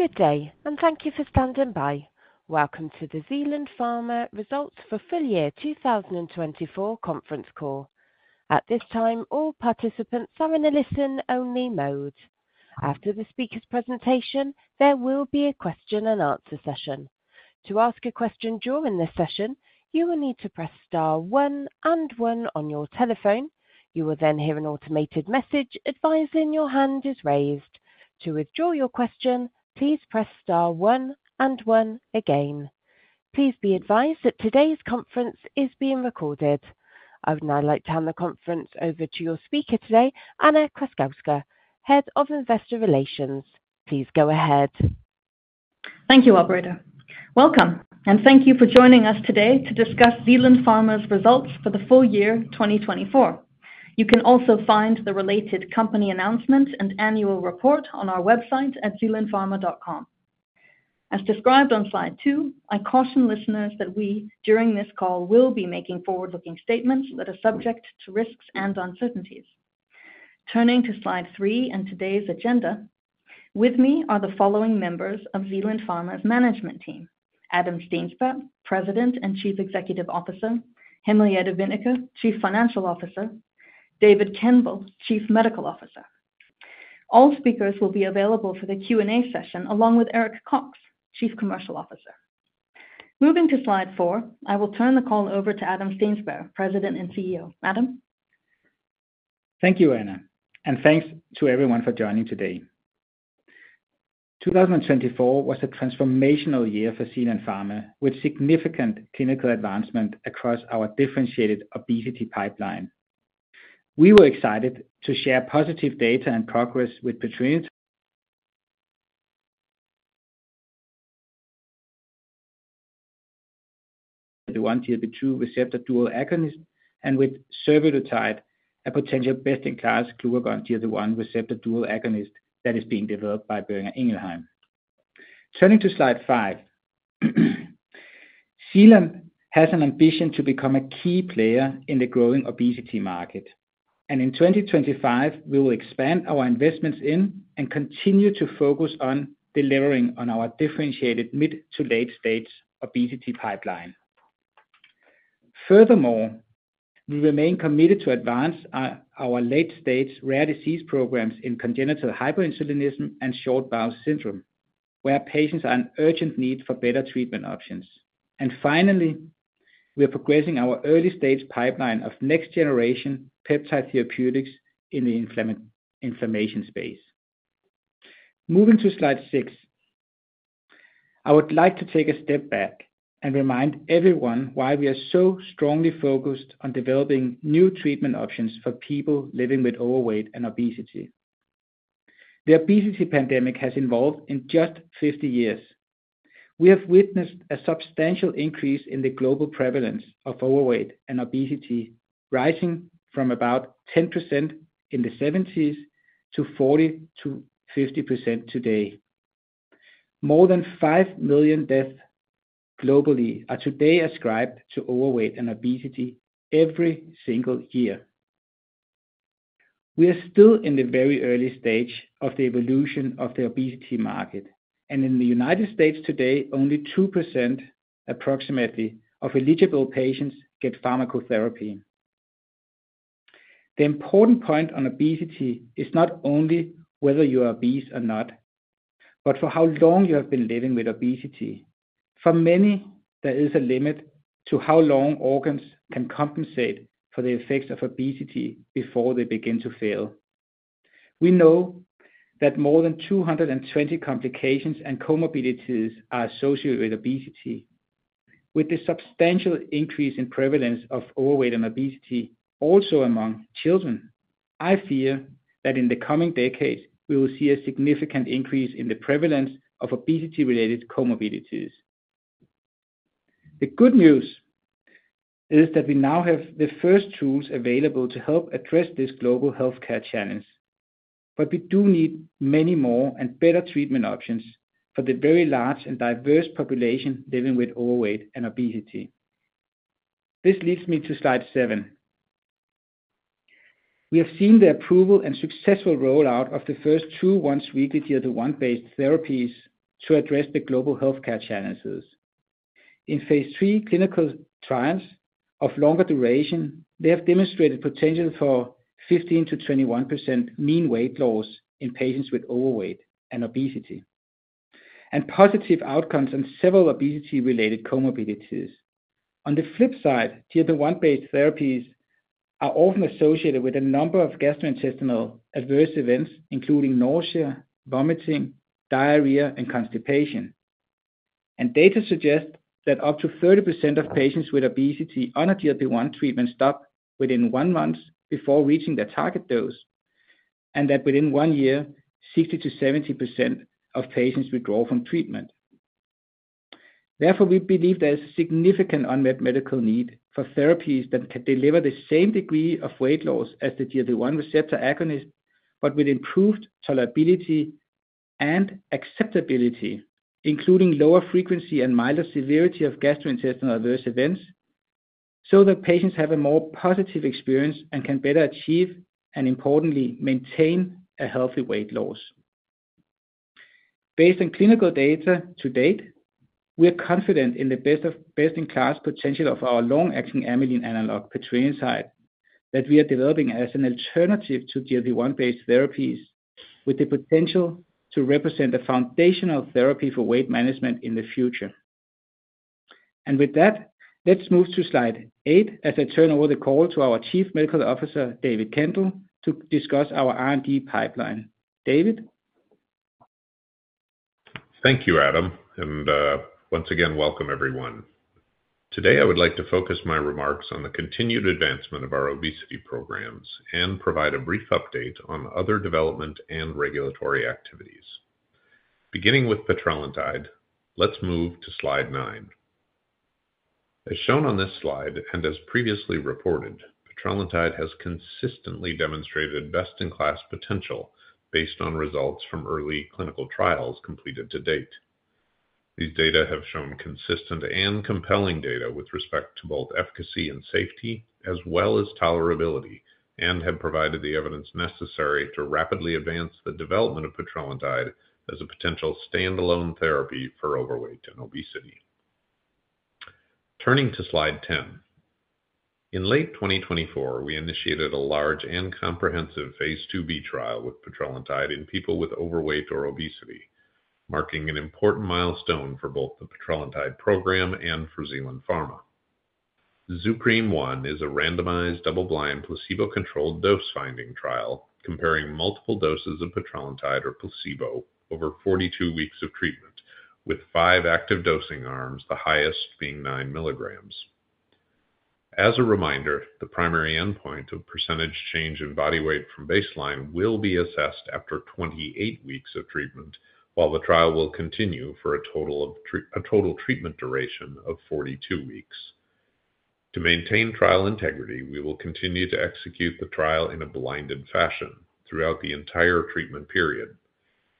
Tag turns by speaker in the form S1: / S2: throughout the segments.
S1: Good day, and thank you for standing by. Welcome to the Zealand Pharma Results for Full Year 2024 Conference Call. At this time, all participants are in a listen-only mode. After the speaker's presentation, there will be a question-and-answer session. To ask a question during this session, you will need to press star one and one on your telephone. You will then hear an automated message advising your hand is raised. To withdraw your question, please press star one and one again. Please be advised that today's conference is being recorded. I would now like to hand the conference over to your speaker today, Anna Krassowska, Head of Investor Relations. Please go ahead.
S2: Thank you, operator. Welcome, and thank you for joining us today to discuss Zealand Pharma's results for the full year 2024. You can also find the related company announcement and annual report on our website at zealandpharma.com. As described on slide two, I caution listeners that we, during this call, will be making forward-looking statements that are subject to risks and uncertainties. Turning to slide three and today's agenda, with me are the following members of Zealand Pharma's management team: Adam Steensberg, President and Chief Executive Officer; Henriette Wennicke, Chief Financial Officer; David Kendall, Chief Medical Officer. All speakers will be available for the Q&A session, along with Eric Cox, Chief Commercial Officer. Moving to slide four, I will turn the call over to Adam Steensberg, President and CEO. Adam?
S3: Thank you, Anna, and thanks to everyone for joining today. 2024 was a transformational year for Zealand Pharma, with significant clinical advancement across our differentiated obesity pipeline. We were excited to share positive data and progress with petrelintide GLP-1 and GLP-2 receptor dual agonists, and with survodutide, a potential best-in-class glucagon GLP-1 receptor dual agonist that is being developed by Boehringer Ingelheim. Turning to slide five, Zealand has an ambition to become a key player in the growing obesity market, and in 2025, we will expand our investments in and continue to focus on delivering on our differentiated mid-to-late-stage obesity pipeline. Furthermore, we remain committed to advance our late-stage rare disease programs in congenital hyperinsulinism and short bowel syndrome, where patients are in urgent need for better treatment options, and finally, we are progressing our early-stage pipeline of next-generation peptide therapeutics in the inflammation space. Moving to slide six, I would like to take a step back and remind everyone why we are so strongly focused on developing new treatment options for people living with overweight and obesity. The obesity pandemic has evolved in just 50 years. We have witnessed a substantial increase in the global prevalence of overweight and obesity, rising from about 10% in the 1970s to 40%-50% today. More than five million deaths globally are today ascribed to overweight and obesity every single year. We are still in the very early stage of the evolution of the obesity market, and in the United States today, only 2% approximately of eligible patients get pharmacotherapy. The important point on obesity is not only whether you are obese or not, but for how long you have been living with obesity. For many, there is a limit to how long organs can compensate for the effects of obesity before they begin to fail. We know that more than 220 complications and comorbidities are associated with obesity. With the substantial increase in prevalence of overweight and obesity also among children, I fear that in the coming decades, we will see a significant increase in the prevalence of obesity-related comorbidities. The good news is that we now have the first tools available to help address this global healthcare challenge, but we do need many more and better treatment options for the very large and diverse population living with overweight and obesity. This leads me to slide seven. We have seen the approval and successful rollout of the first two once-weekly GLP-1-based therapies to address the global healthcare challenges. In phase III clinical trials of longer duration, they have demonstrated potential for 15%-21% mean weight loss in patients with overweight and obesity, and positive outcomes on several obesity-related comorbidities. On the flip side, GLP-1-based therapies are often associated with a number of gastrointestinal adverse events, including nausea, vomiting, diarrhea, and constipation, and data suggest that up to 30% of patients with obesity on a GLP-1 treatment stop within one month before reaching their target dose, and that within one year, 60%-70% of patients withdraw from treatment. Therefore, we believe there is a significant unmet medical need for therapies that can deliver the same degree of weight loss as the GLP-1 receptor agonist, but with improved tolerability and acceptability, including lower frequency and milder severity of gastrointestinal adverse events, so that patients have a more positive experience and can better achieve, and importantly, maintain a healthy weight loss. Based on clinical data to date, we are confident in the best-in-class potential of our long-acting Amylin analog, petrelintide, that we are developing as an alternative to GLP-1-based therapies, with the potential to represent a foundational therapy for weight management in the future. And with that, let's move to slide eight as I turn over the call to our Chief Medical Officer, David Kendall, to discuss our R&D pipeline. David?
S4: Thank you, Adam, and once again, welcome everyone. Today, I would like to focus my remarks on the continued advancement of our obesity programs and provide a brief update on other development and regulatory activities. Beginning with petrelintide, let's move to slide nine. As shown on this slide and as previously reported, petrelintide has consistently demonstrated best-in-class potential based on results from early clinical trials completed to date. These data have shown consistent and compelling data with respect to both efficacy and safety, as well as tolerability, and have provided the evidence necessary to rapidly advance the development of petrelintide as a potential standalone therapy for overweight and obesity. Turning to slide ten, in late 2024, we initiated a large and comprehensive phase II-B trial with petrelintide in people with overweight or obesity, marking an important milestone for both the petrelintide program and for Zealand Pharma. ZUPREME-1 is a randomized double-blind placebo-controlled dose-finding trial comparing multiple doses of petrelintide or placebo over 42 weeks of treatment, with five active dosing arms, the highest being nine milligrams. As a reminder, the primary endpoint of percentage change in body weight from baseline will be assessed after 28 weeks of treatment, while the trial will continue for a total treatment duration of 42 weeks. To maintain trial integrity, we will continue to execute the trial in a blinded fashion throughout the entire treatment period.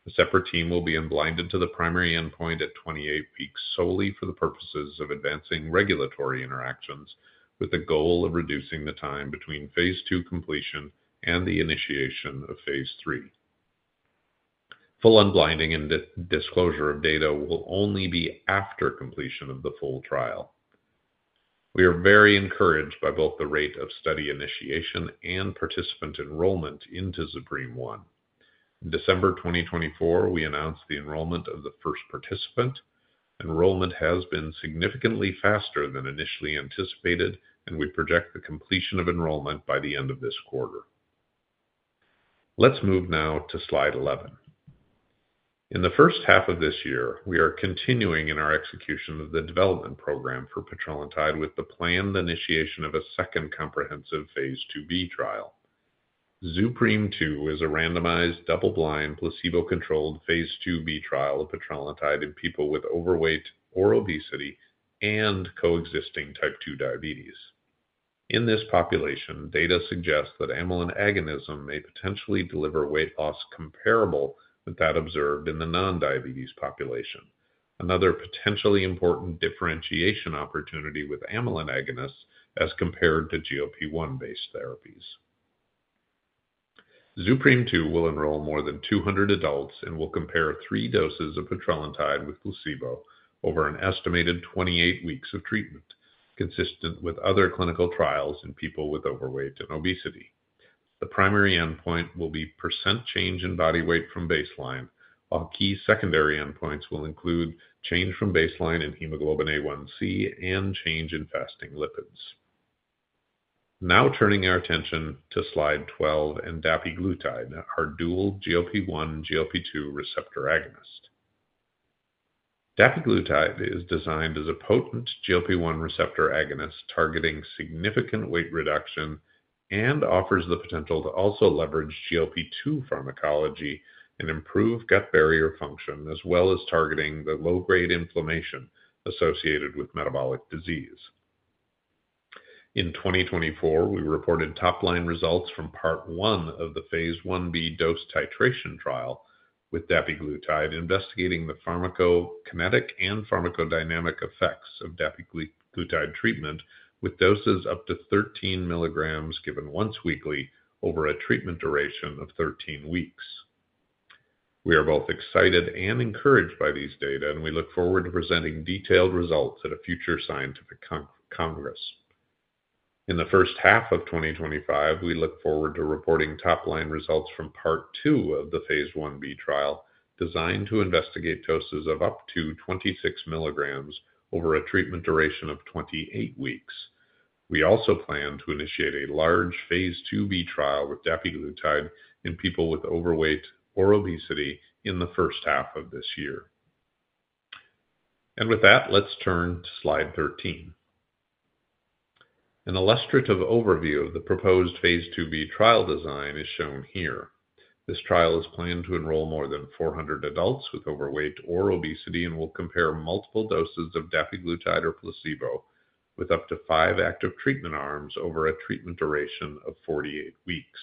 S4: A separate team will be unblinded to the primary endpoint at 28 weeks solely for the purposes of advancing regulatory interactions, with the goal of reducing the time between phase II completion and the initiation of phase III. Full unblinding and disclosure of data will only be after completion of the full trial. We are very encouraged by both the rate of study initiation and participant enrollment into ZUPREME-1. In December 2024, we announced the enrollment of the first participant. Enrollment has been significantly faster than initially anticipated, and we project the completion of enrollment by the end of this quarter. Let's move now to slide 11. In the first half of this year, we are continuing in our execution of the development program for petrelintide with the planned initiation of a second comprehensive phase II-B trial. ZUPREME-2 is a randomized double-blind placebo-controlled phase II-B trial of petrelintide in people with overweight or obesity and coexisting type 2 diabetes. In this population, data suggests that amylin agonism may potentially deliver weight loss comparable with that observed in the non-diabetes population, another potentially important differentiation opportunity with amylin agonists as compared to GLP-1-based therapies. ZUPREME-2 will enroll more than 200 adults and will compare three doses of petrelintide with placebo over an estimated 28 weeks of treatment, consistent with other clinical trials in people with overweight and obesity. The primary endpoint will be percent change in body weight from baseline, while key secondary endpoints will include change from baseline in hemoglobin A1c and change in fasting lipids. Now turning our attention to slide 12 and dapiglutide, our dual GLP-1 and GLP-2 receptor agonist. dapiglutide is designed as a potent GLP-1 receptor agonist targeting significant weight reduction and offers the potential to also LIVERAGE GLP-2 pharmacology and improve gut barrier function, as well as targeting the low-grade inflammation associated with metabolic disease. In 2024, we reported top-line results from part one of the phase I-B dose titration trial with dapiglutide, investigating the pharmacokinetic and pharmacodynamic effects of dapiglutide treatment with doses up to 13 milligrams given once weekly over a treatment duration of 13 weeks. We are both excited and encouraged by these data, and we look forward to presenting detailed results at a future scientific congress. In the first half of 2025, we look forward to reporting top-line results from part two of the phase I-B trial designed to investigate doses of up to 26 milligrams over a treatment duration of 28 weeks. We also plan to initiate a large phase II-B trial with dapiglutide in people with overweight or obesity in the first half of this year. And with that, let's turn to slide 13. An illustrative overview of the proposed phase II-B trial design is shown here. This trial is planned to enroll more than 400 adults with overweight or obesity and will compare multiple doses of dapiglutide or placebo with up to five active treatment arms over a treatment duration of 48 weeks.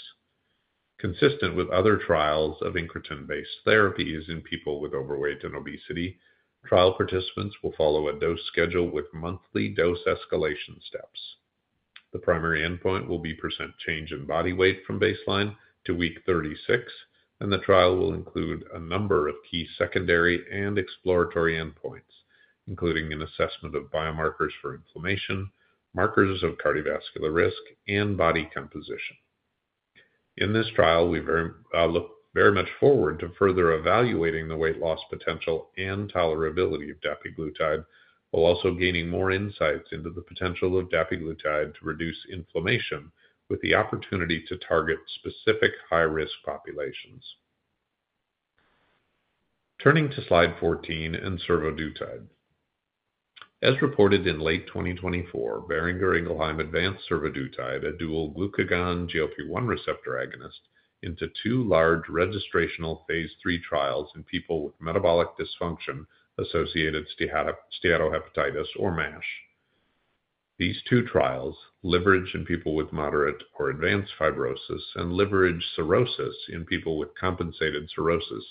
S4: Consistent with other trials of incretin-based therapies in people with overweight and obesity, trial participants will follow a dose schedule with monthly dose escalation steps. The primary endpoint will be % change in body weight from baseline to week 36, and the trial will include a number of key secondary and exploratory endpoints, including an assessment of biomarkers for inflammation, markers of cardiovascular risk, and body composition. In this trial, we look very much forward to further evaluating the weight loss potential and tolerability of dapiglutide, while also gaining more insights into the potential of dapiglutide to reduce inflammation, with the opportunity to target specific high-risk populations. Turning to slide 14 and survodutide. As reported in late 2024, Boehringer Ingelheim advanced survodutide, a dual glucagon GLP-1 receptor agonist, into two large registrational phase III trials in people with metabolic dysfunction-associated steatohepatitis or MASH. These two trials, LIVERAGE in people with moderate or advanced fibrosis and LIVERAGE-Cirrhosis in people with compensated cirrhosis,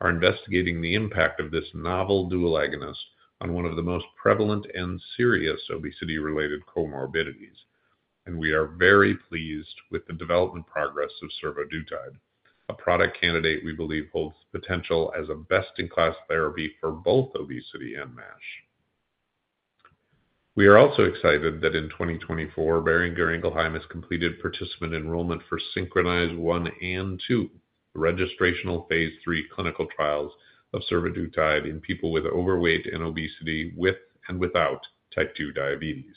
S4: are investigating the impact of this novel dual agonist on one of the most prevalent and serious obesity-related comorbidities. We are very pleased with the development progress of survodutide, a product candidate we believe holds the potential as a best-in-class therapy for both obesity and MASH. We are also excited that in 2024, Boehringer Ingelheim has completed participant enrollment for SYNCHRONIZE-1 and 2, the registrational phase III clinical trials of survodutide in people with overweight and obesity with and without type 2 diabetes.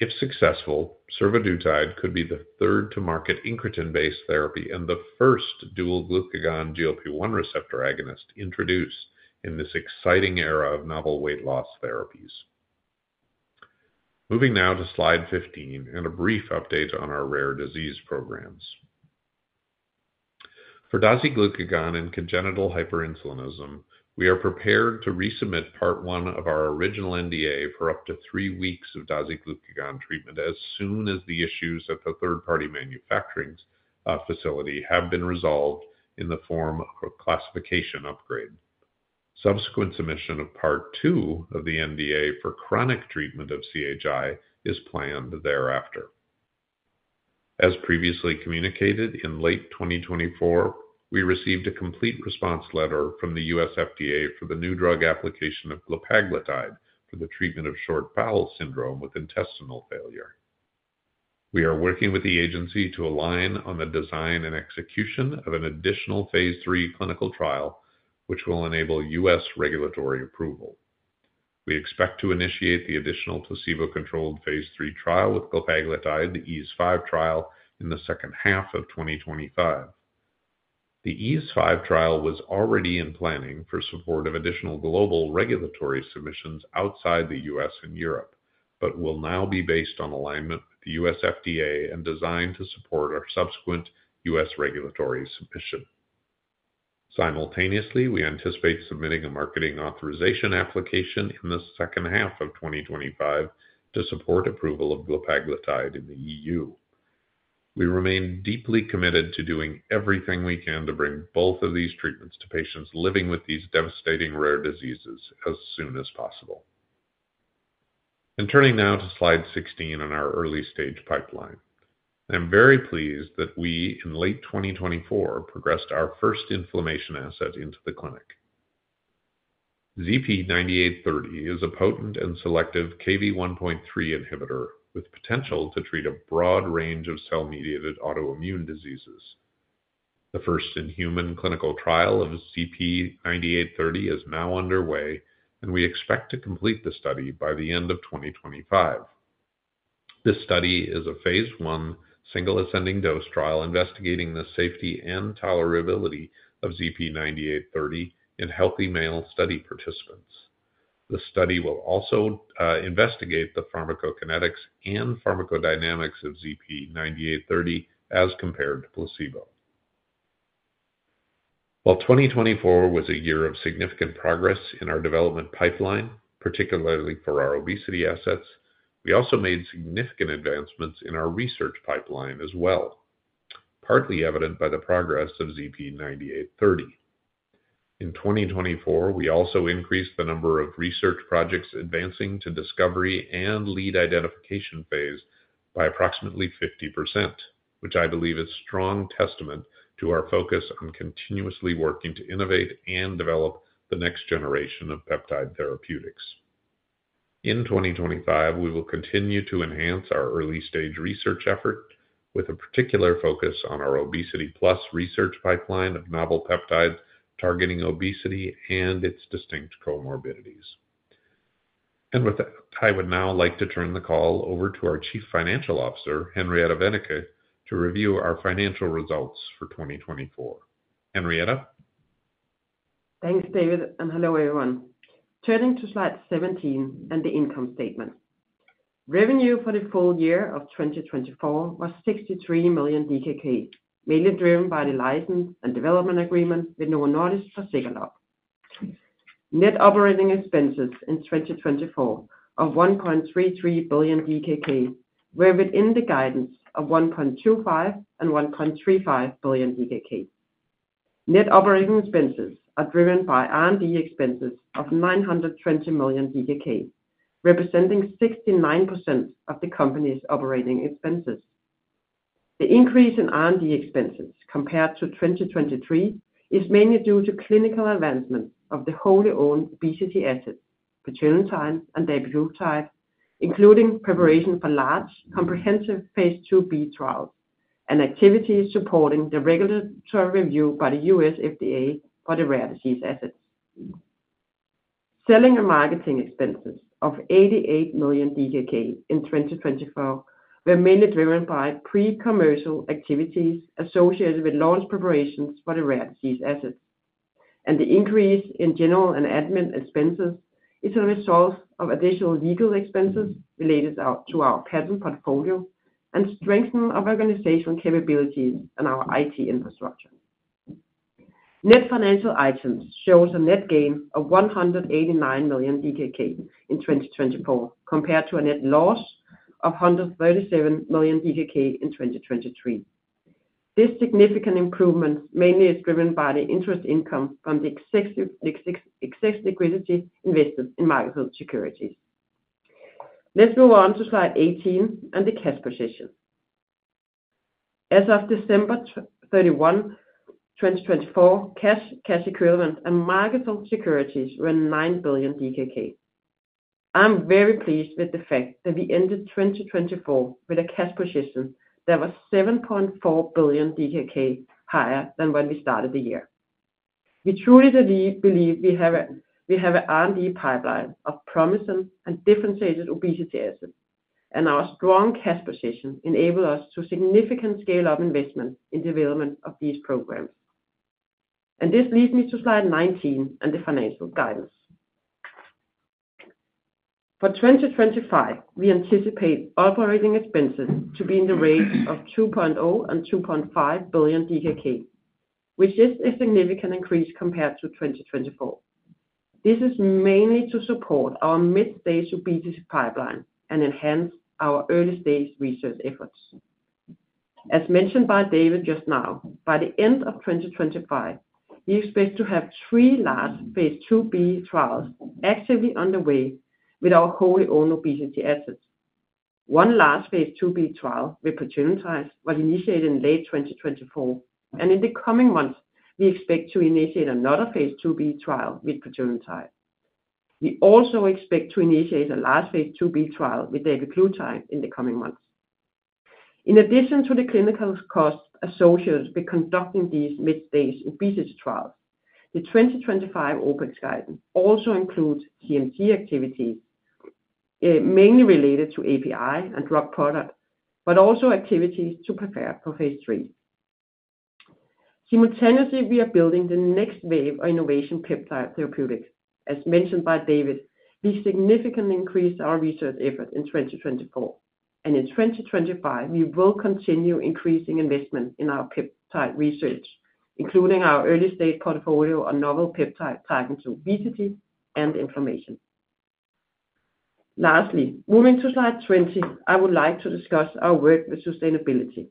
S4: If successful, survodutide could be the third to market incretin-based therapy and the first dual glucagon GLP-1 receptor agonist introduced in this exciting era of novel weight loss therapies. Moving now to slide 15 and a brief update on our rare disease programs. For dasiglucagon and congenital hyperinsulinism, we are prepared to resubmit part one of our original NDA for up to three weeks of dasiglucagon treatment as soon as the issues at the third-party manufacturing facility have been resolved in the form of a classification upgrade. Subsequent submission of part two of the NDA for chronic treatment of CHI is planned thereafter. As previously communicated, in late 2024, we received a Complete Response Letter from the U.S. FDA for the new drug application of glepaglutide for the treatment of short bowel syndrome with intestinal failure. We are working with the agency to align on the design and execution of an additional phase III clinical trial, which will enable U.S. regulatory approval. We expect to initiate the additional placebo-controlled phase III trial with glepaglutide, the EASE-5 trial, in the second half of 2025. The EASE-5 trial was already in planning for support of additional global regulatory submissions outside the U.S. and Europe, but will now be based on alignment with the U.S. FDA and designed to support our subsequent U.S. regulatory submission. Simultaneously, we anticipate submitting a marketing authorization application in the second half of 2025 to support approval of glepaglutide in the E.U. We remain deeply committed to doing everything we can to bring both of these treatments to patients living with these devastating rare diseases as soon as possible, and turning now to slide 16 in our early stage pipeline. I'm very pleased that we, in late 2024, progressed our first inflammation asset into the clinic. ZP9830 is a potent and selective Kv1.3 inhibitor with potential to treat a broad range of cell-mediated autoimmune diseases. The first-in-human clinical trial of ZP9830 is now underway, and we expect to complete the study by the end of 2025. This study is a phase I single ascending dose trial investigating the safety and tolerability of ZP9830 in healthy male study participants. The study will also investigate the pharmacokinetics and pharmacodynamics of ZP9830 as compared to placebo. While 2024 was a year of significant progress in our development pipeline, particularly for our obesity assets, we also made significant advancements in our research pipeline as well, partly evident by the progress of ZP9830. In 2024, we also increased the number of research projects advancing to discovery and lead identification phase by approximately 50%, which I believe is a strong testament to our focus on continuously working to innovate and develop the next generation of peptide therapeutics. In 2025, we will continue to enhance our early stage research effort with a particular focus on our obesity plus research pipeline of novel peptides targeting obesity and its distinct comorbidities. And with that, I would now like to turn the call over to our Chief Financial Officer, Henriette Wennicke, to review our financial results for 2024. Henriette?
S5: Thanks, David, and hello everyone. Turning to slide 17 and the income statement. Revenue for the full year of 2024 was 63 million DKK, mainly driven by the license and development agreement with Novo Nordisk for Zegalogue. Net operating expenses in 2024 of 1.33 billion DKK were within the guidance of 1.25 billion-1.35 billion DKK. Net operating expenses are driven by R&D expenses of 920 million DKK, representing 69% of the company's operating expenses. The increase in R&D expenses compared to 2023 is mainly due to clinical advancements of the wholly owned obesity assets, petrelintide and dapiglutide, including preparation for large comprehensive phase II-B trials and activities supporting the regulatory review by the U.S. FDA for the rare disease assets. Selling and marketing expenses of 88 million DKK in 2024 were mainly driven by pre-commercial activities associated with launch preparations for the rare disease assets. The increase in general and admin expenses is a result of additional legal expenses related to our patent portfolio and strengthening of organizational capabilities and our IT infrastructure. Net financial items show a net gain of 189 million DKK in 2024 compared to a net loss of 137 million DKK in 2023. This significant improvement mainly is driven by the interest income from the excess liquidity invested in market-held securities. Let's move on to slide 18 and the cash position. As of December 31, 2024, cash, cash equivalent, and market-held securities were 9 billion DKK. I'm very pleased with the fact that we ended 2024 with a cash position that was 7.4 billion DKK higher than when we started the year. We truly believe we have an R&D pipeline of promising and differentiated obesity assets, and our strong cash position enabled us to significantly scale up investment in development of these programs, and this leads me to Slide 19 and the financial guidance. For 2025, we anticipate operating expenses to be in the range of 2.0 billion-2.5 billion DKK, which is a significant increase compared to 2024. This is mainly to support our mid-stage obesity pipeline and enhance our early stage research efforts. As mentioned by David just now, by the end of 2025, we expect to have three large phase II-B trials actively underway with our wholly owned obesity assets. One large phase II-B trial with petrelintide was initiated in late 2024, and in the coming months, we expect to initiate another phase II-B trial with petrelintide. We also expect to initiate a large phase II-B trial with dapiglutide in the coming months. In addition to the clinical costs associated with conducting these mid-stage obesity trials, the 2025 OpEx guidance also includes CMC activities, mainly related to API and drug product, but also activities to prepare for phase III. Simultaneously, we are building the next wave of innovation peptide therapeutics. As mentioned by David, we significantly increased our research effort in 2024, and in 2025, we will continue increasing investment in our peptide research, including our early stage portfolio on novel peptide targeting obesity and inflammation. Lastly, moving to slide 20, I would like to discuss our work with sustainability.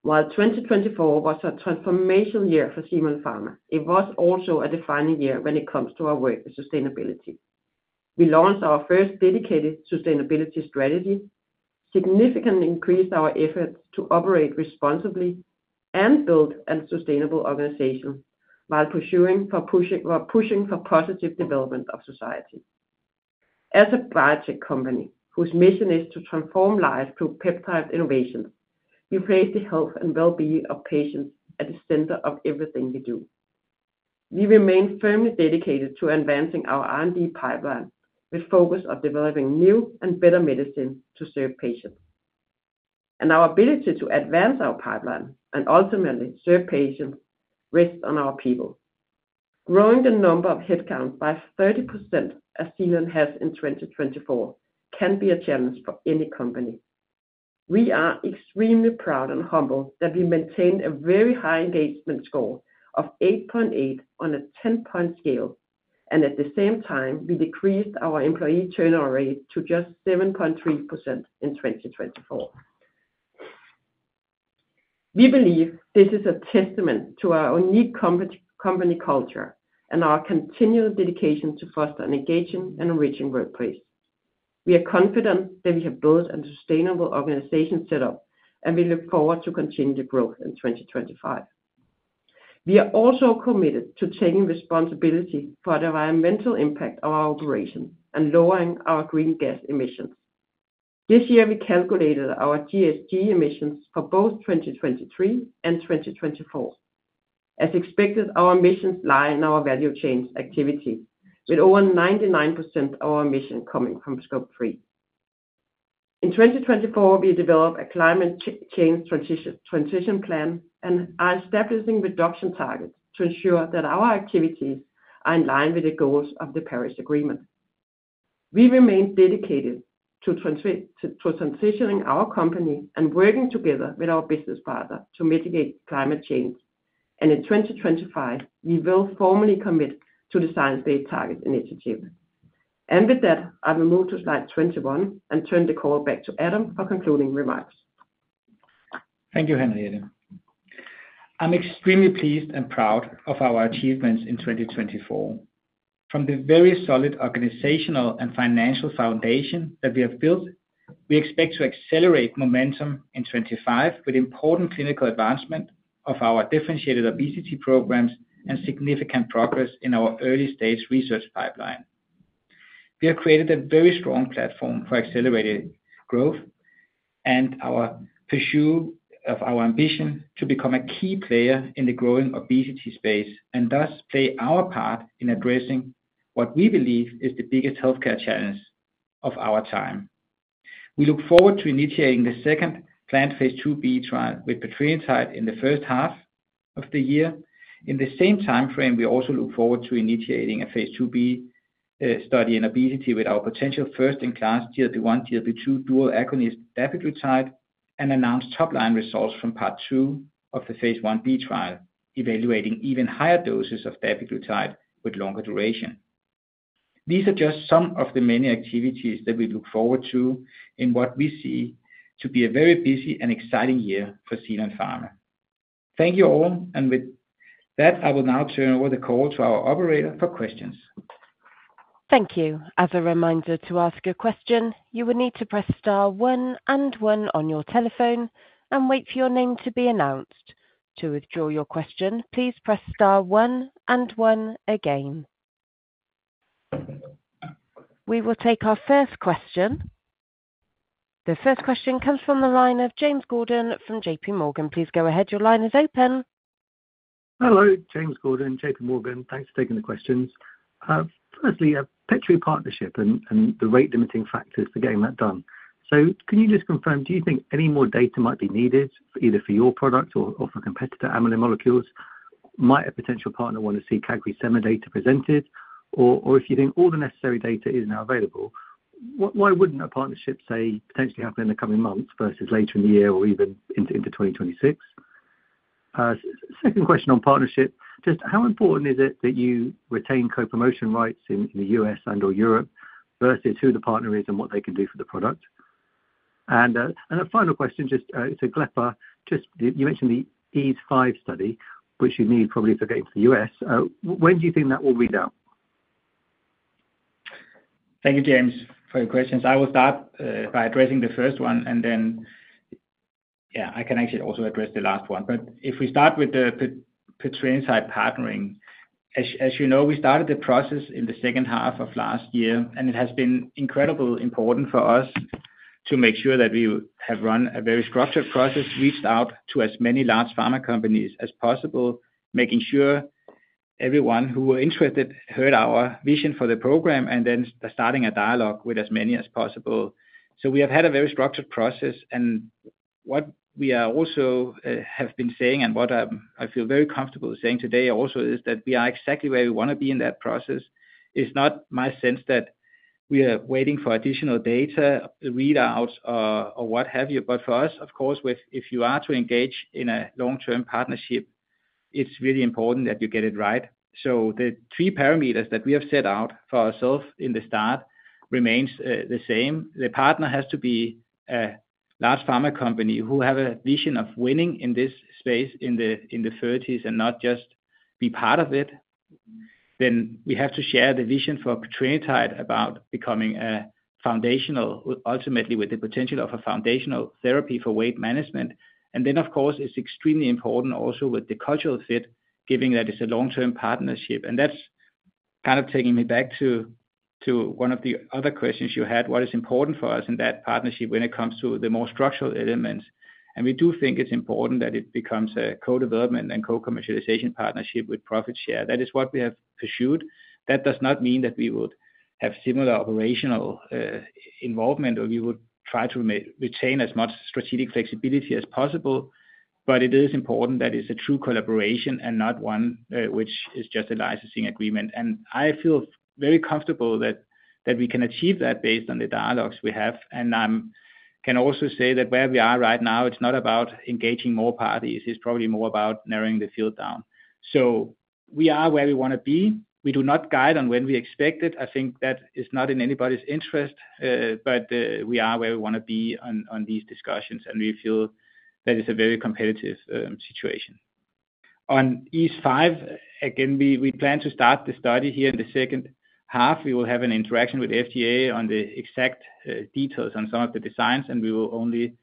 S5: While 2024 was a transformational year for Zealand Pharma, it was also a defining year when it comes to our work with sustainability.
S4: We launched our first dedicated sustainability strategy, significantly increased our efforts to operate responsibly and build a sustainable organization, while pushing for positive development of society. As a biotech company whose mission is to transform life through peptide innovations, we place the health and well-being of patients at the center of everything we do. We remain firmly dedicated to advancing our R&D pipeline with a focus on developing new and better medicine to serve patients, and our ability to advance our pipeline and ultimately serve patients rests on our people. Growing the number of headcounts by 30% as Zealand has in 2024 can be a challenge for any company. We are extremely proud and humbled that we maintained a very high engagement score of 8.8 on a 10-point scale, and at the same time, we decreased our employee turnover rate to just 7.3% in 2024. We believe this is a testament to our unique company culture and our continued dedication to foster an engaging and enriching workplace. We are confident that we have built a sustainable organizational setup, and we look forward to continued growth in 2025. We are also committed to taking responsibility for the environmental impact of our operations and lowering our greenhouse gas emissions. This year, we calculated our GHG emissions for both 2023 and 2024. As expected, our emissions lie in our value chain activities, with over 99% of our emissions coming from Scope 3. In 2024, we developed a climate change transition plan and are establishing reduction targets to ensure that our activities are in line with the goals of the Paris Agreement. We remain dedicated to transitioning our company and working together with our business partner to mitigate climate change. In 2025, we will formally commit to the Science Based Targets initiative. With that, I will move to slide 21 and turn the call back to Adam for concluding remarks.
S3: Thank you, Henriette. I'm extremely pleased and proud of our achievements in 2024. From the very solid organizational and financial foundation that we have built, we expect to accelerate momentum in 2025 with important clinical advancement of our differentiated obesity programs and significant progress in our early stage research pipeline. We have created a very strong platform for accelerated growth and our pursuit of our ambition to become a key player in the growing obesity space and thus play our part in addressing what we believe is the biggest healthcare challenge of our time. We look forward to initiating the second planned phase II-B trial with petrelintide in the first half of the year. In the same time frame, we also look forward to initiating a phase II-B study in obesity with our potential first-in-class GLP-1, GLP-2 dual agonist dapiglutide and announced top-line results from part two of the phase I-B trial, evaluating even higher doses of dapiglutide with longer duration. These are just some of the many activities that we look forward to in what we see to be a very busy and exciting year for Zealand Pharma. Thank you all, and with that, I will now turn over the call to our operator for questions.
S1: Thank you. As a reminder to ask a question, you will need to press star one and one on your telephone and wait for your name to be announced. To withdraw your question, please press star one and one again. We will take our first question. The first question comes from the line of James Gordon from J.P. Morgan. Please go ahead. Your line is open.
S6: Hello, James Gordon, J.P. Morgan. Thanks for taking the questions. Firstly, a petrelintide partnership and the rate-limiting factors for getting that done. So can you just confirm, do you think any more data might be needed either for your product or for competitor amylin molecules? Might a potential partner want to see CagriSema data presented, or if you think all the necessary data is now available, why wouldn't a partnership say potentially happen in the coming months versus later in the year or even into 2026? Second question on partnership, just how important is it that you retain co-promotion rights in the U.S. and/or Europe versus who the partner is and what they can do for the product? and a final question, just to Glepaglutide, just you mentioned the EASE-5 study, which you need probably to get into the U.S. When do you think that will read out?
S3: Thank you, James, for your questions. I will start by addressing the first one, and then, yeah, I can actually also address the last one. But if we start with the petrelintide partnering, as you know, we started the process in the second half of last year, and it has been incredibly important for us to make sure that we have run a very structured process, reached out to as many large pharma companies as possible, making sure everyone who was interested heard our vision for the program and then starting a dialogue with as many as possible. So we have had a very structured process, and what we also have been saying, and what I feel very comfortable saying today also is that we are exactly where we want to be in that process. It's not my sense that we are waiting for additional data, readouts, or what have you, but for us, of course, if you are to engage in a long-term partnership, it's really important that you get it right. So the three parameters that we have set out for ourselves in the start remain the same. The partner has to be a large pharma company who has a vision of winning in this space in the 30s and not just be part of it. Then we have to share the vision for petrelintide about becoming a foundational, ultimately with the potential of a foundational therapy for weight management. And then, of course, it's extremely important also with the cultural fit, given that it's a long-term partnership. And that's kind of taking me back to one of the other questions you had, what is important for us in that partnership when it comes to the more structural elements. And we do think it's important that it becomes a co-development and co-commercialization partnership with profit share. That is what we have pursued. That does not mean that we would have similar operational involvement or we would try to retain as much strategic flexibility as possible, but it is important that it's a true collaboration and not one which is just a licensing agreement. And I feel very comfortable that we can achieve that based on the dialogues we have. And I can also say that where we are right now, it's not about engaging more parties. It's probably more about narrowing the field down. So we are where we want to be. We do not guide on when we expect it. I think that is not in anybody's interest, but we are where we want to be on these discussions, and we feel that it's a very competitive situation. On EASE-5, again, we plan to start the study here in the second half. We will have an interaction with FDA on the exact details on some of the designs, and we will only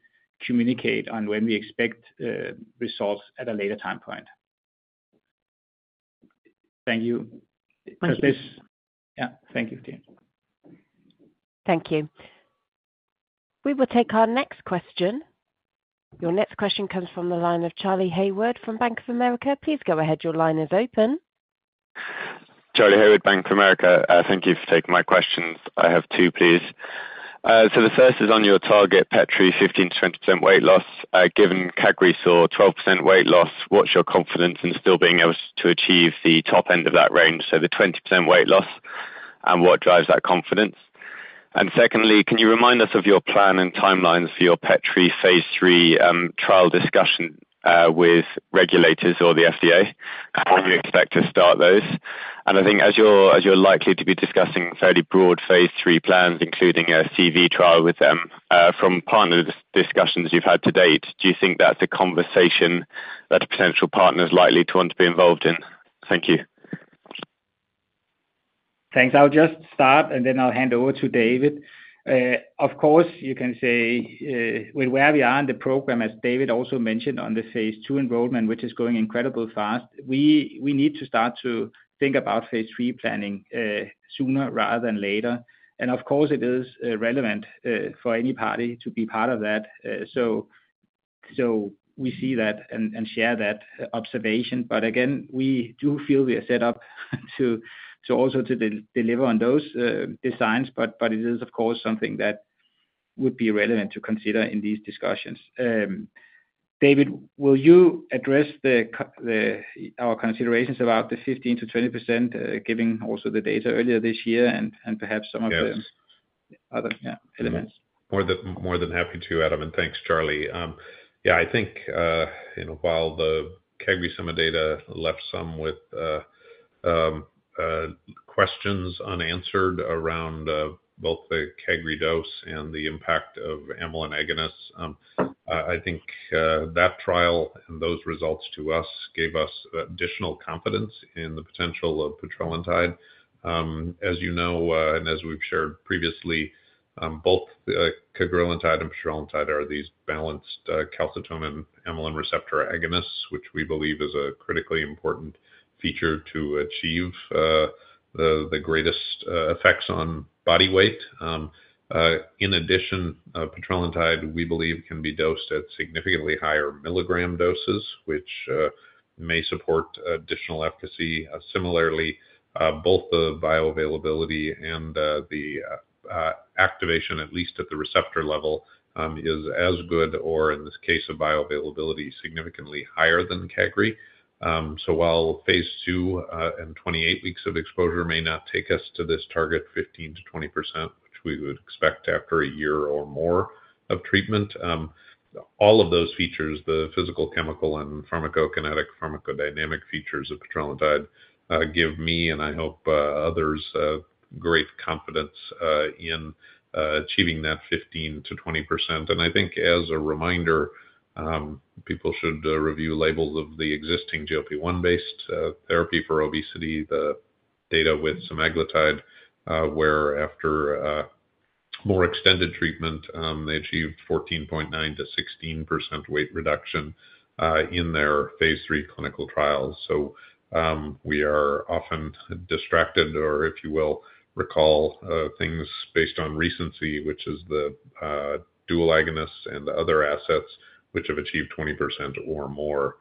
S3: communicate on when we expect results at a later time point. Thank you. Yeah, thank you.
S1: Thank you. We will take our next question. Your next question comes from the line of Charlie Hayward from Bank of America. Please go ahead. Your line is open.
S7: Charlie Hayward, Bank of America. Thank you for taking my questions. I have two, please. So the first is on your target petrelintide, 15%-20% weight loss. Given CagriSema saw 12% weight loss, what's your confidence in still being able to achieve the top end of that range, so the 20% weight loss, and what drives that confidence? And secondly, can you remind us of your plan and timelines for your petrelintide phase III trial discussion with regulators or the FDA? When do you expect to start those? And I think as you're likely to be discussing fairly broad phase III plans, including a CV trial with them from partner discussions you've had to date, do you think that's a conversation that a potential partner is likely to want to be involved in? Thank you.
S3: Thanks. I'll just start, and then I'll hand over to David. Of course, you can say with where we are in the program, as David also mentioned on the phase II enrollment, which is going incredibly fast, we need to start to think about phase III planning sooner rather than later. And of course, it is relevant for any party to be part of that. So we see that and share that observation. But again, we do feel we are set up to also deliver on those designs, but it is, of course, something that would be relevant to consider in these discussions. David, will you address our considerations about the 15%-20%, giving also the data earlier this year and perhaps some of the other elements?
S4: More than happy to, Adam. And thanks, Charlie. Yeah, I think while the Cagri summary data left some with questions unanswered around both the Cagri dose and the impact of amylin agonists, I think that trial and those results to us gave us additional confidence in the potential of petrelintide. As you know, and as we've shared previously, both the cagrilintide and petrelintide are these balanced calcitonin amylin receptor agonists, which we believe is a critically important feature to achieve the greatest effects on body weight. In addition, petrelintide, we believe, can be dosed at significantly higher milligram doses, which may support additional efficacy. Similarly, both the bioavailability and the activation, at least at the receptor level, is as good, or in this case of bioavailability, significantly higher than Cagri. So while phase II and 28 weeks of exposure may not take us to this target 15%-20%, which we would expect after a year or more of treatment, all of those features, the physical, chemical, and pharmacokinetic pharmacodynamic features of petrelintide give me, and I hope others, great confidence in achieving that 15%-20%. And I think as a reminder, people should review labels of the existing GLP-1-based therapy for obesity, the data with semaglutide, where after more extended treatment, they achieved 14.9%-16% weight reduction in their phase III clinical trials. So we are often distracted, or if you will, recall things based on recency, which is the dual agonists and the other assets which have achieved 20% or more.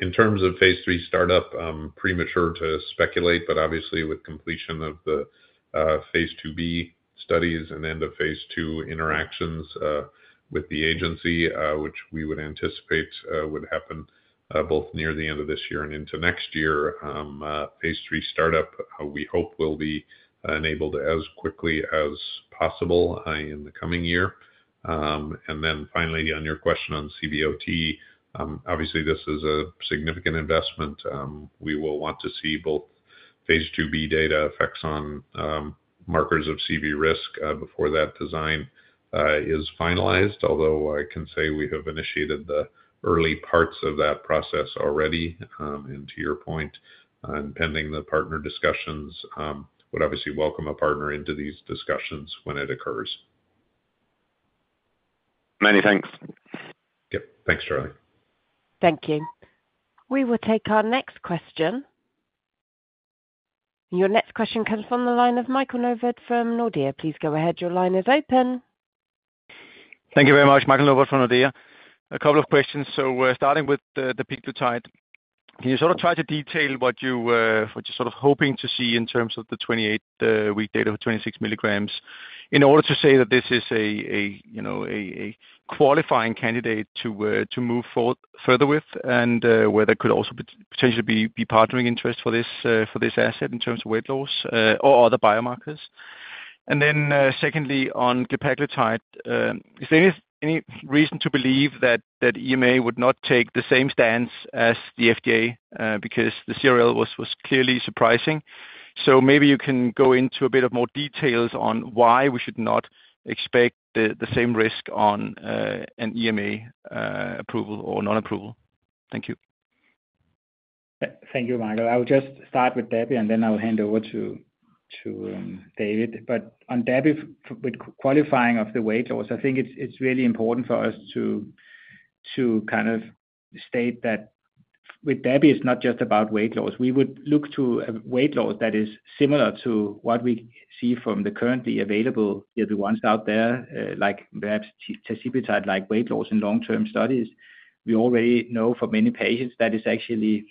S4: In terms of phase III startup, premature to speculate, but obviously with completion of the phase II-B studies and end-of-phase II interactions with the agency, which we would anticipate would happen both near the end of this year and into next year, phase III startup, we hope will be enabled as quickly as possible in the coming year. Then finally, on your question on CVOT, obviously this is a significant investment. We will want to see both phase II-B data effects on markers of CV risk before that design is finalized, although I can say we have initiated the early parts of that process already. To your point, pending the partner discussions, would obviously welcome a partner into these discussions when it occurs.
S7: Many thanks.
S4: Yep. Thanks, Charlie.
S1: Thank you. We will take our next question. Your next question comes from the line of Michael Novod from Nordea. Please go ahead. Your line is open.
S8: Thank you very much, Michael Novod from Nordea. A couple of questions. So we're starting with the glepaglutide. Can you sort of try to detail what you're sort of hoping to see in terms of the 28-week data for 26 milligrams in order to say that this is a qualifying candidate to move forward further with and where there could also potentially be partnering interest for this asset in terms of weight loss or other biomarkers? And then secondly, on dapiglutide, is there any reason to believe that EMA would not take the same stance as the FDA because the CRL was clearly surprising? So maybe you can go into a bit of more details on why we should not expect the same risk on an EMA approval or non-approval. Thank you.
S3: Thank you, Michael. I'll just start with dapiglutide, and then I'll hand over to David, but on dapiglutide, with qualifying of the weight loss, I think it's really important for us to kind of state that with dapiglutide, it's not just about weight loss. We would look to a weight loss that is similar to what we see from the currently available ones out there, like perhaps tirzepatide, like weight loss in long-term studies. We already know for many patients that is actually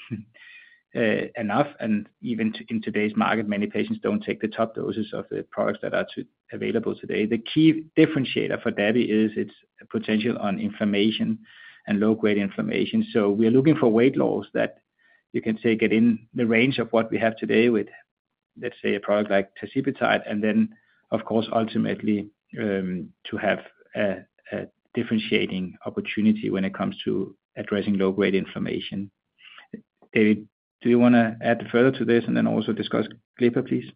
S3: enough, and even in today's market, many patients don't take the top doses of the products that are available today. The key differentiator for dapiglutide is its potential on inflammation and low-grade inflammation. So we are looking for weight loss that you can take it in the range of what we have today with, let's say, a product like tirzepatide, and then, of course, ultimately to have a differentiating opportunity when it comes to addressing low-grade inflammation. David, do you want to add further to this and then also discuss glepaglutide, please?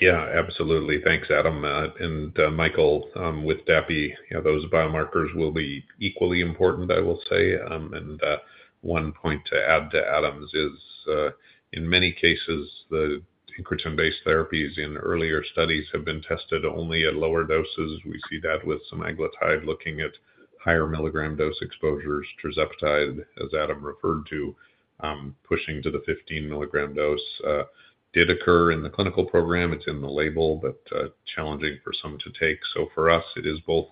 S4: Yeah, absolutely. Thanks, Adam and Michael. With dapiglutide, those biomarkers will be equally important, I will say, and one point to add to Adam's is, in many cases, the incretin-based therapies in earlier studies have been tested only at lower doses. We see that with semaglutide looking at higher milligram dose exposures, tirzepatide, as Adam referred to, pushing to the 15 milligram dose did occur in the clinical program. It's in the label, but challenging for some to take. So for us, it is both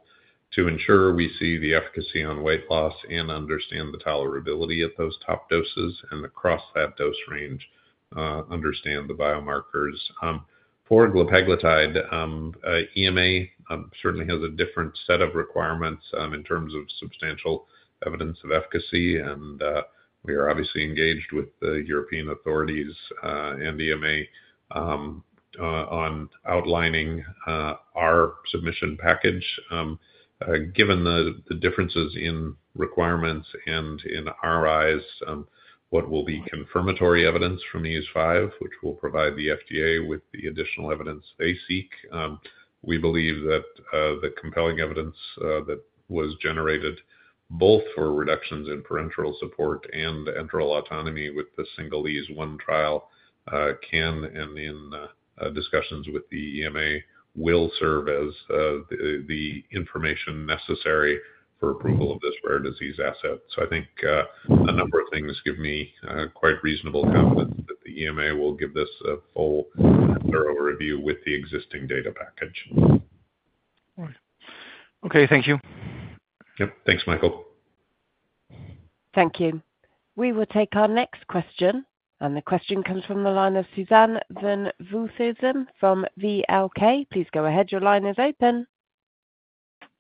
S4: to ensure we see the efficacy on weight loss and understand the tolerability at those top doses and across that dose range, understand the biomarkers. For Glepaglutide, EMA certainly has a different set of requirements in terms of substantial evidence of efficacy, and we are obviously engaged with the European authorities and EMA on outlining our submission package. Given the differences in requirements and, in our eyes, what will be confirmatory evidence from EASE-5, which will provide the FDA with the additional evidence they seek, we believe that the compelling evidence that was generated both for reductions in parenteral support and enteral autonomy with the single EASE-1 trial can, and in discussions with the EMA will serve as, the information necessary for approval of this rare disease asset. So I think a number of things give me quite reasonable confidence that the EMA will give this a full and thorough review with the existing data package.
S8: Okay. Thank you.
S4: Yep. Thanks, Michael.
S1: Thank you. We will take our next question. And the question comes from the line of Suzanne van Voorthuizen from VLK. Please go ahead. Your line is open.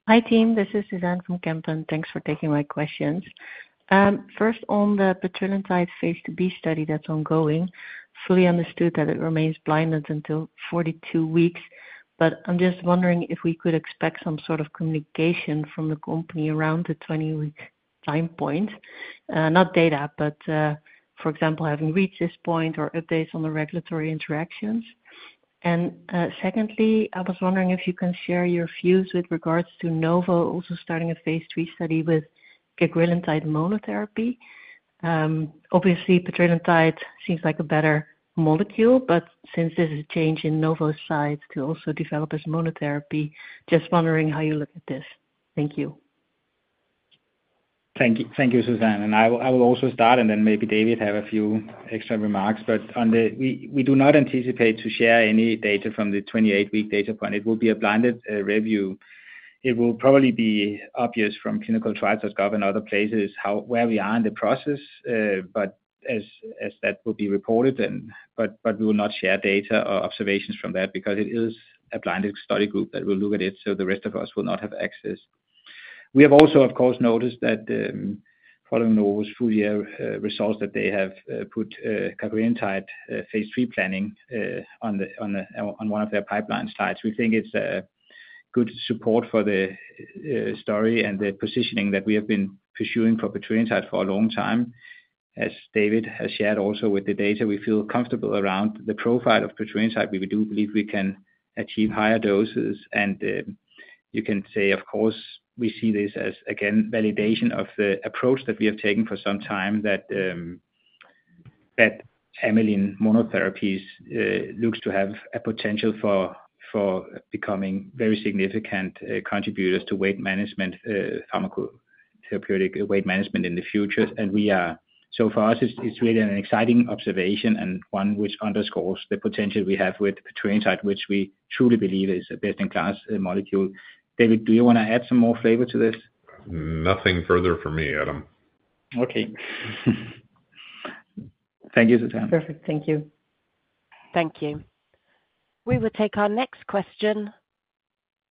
S9: Hi, team. This is Suzanne from Van Lanschot Kempen. Thanks for taking my questions. First, on the petrelintide phase II-B study that's ongoing, fully understood that it remains blinded until 42 weeks, but I'm just wondering if we could expect some sort of communication from the company around the 20-week time point, not data, but for example, having reached this point or updates on the regulatory interactions. Secondly, I was wondering if you can share your views with regards to Novo also starting a phase III study with cagrilintide monotherapy. Obviously, petrelintide seems like a better molecule, but since this is a change in Novo's side to also develop as monotherapy, just wondering how you look at this. Thank you.
S3: Thank you, Suzanne. I will also start, and then maybe David have a few extra remarks, but we do not anticipate to share any data from the 28-week data point. It will be a blinded review. It will probably be obvious from clinicaltrials.gov and other places where we are in the process, but as that will be reported, but we will not share data or observations from that because it is a blinded study group that will look at it, so the rest of us will not have access. We have also, of course, noticed that following Novo's full year results that they have put cagrilintide phase III planning on one of their pipeline slides. We think it's good support for the story and the positioning that we have been pursuing for petrelintide for a long time. As David has shared also with the data, we feel comfortable around the profile of petrelintide. We do believe we can achieve higher doses, and you can say, of course, we see this as, again, validation of the approach that we have taken for some time that amylin monotherapies looks to have a potential for becoming very significant contributors to weight management, pharmacotherapeutic weight management in the future. For us, it's really an exciting observation and one which underscores the potential we have with petrelintide, which we truly believe is a best-in-class molecule. David, do you want to add some more flavor to this?
S4: Nothing further for me, Adam. Okay. Thank you, Suzanne.
S9: Perfect. Thank you.
S1: Thank you. We will take our next question.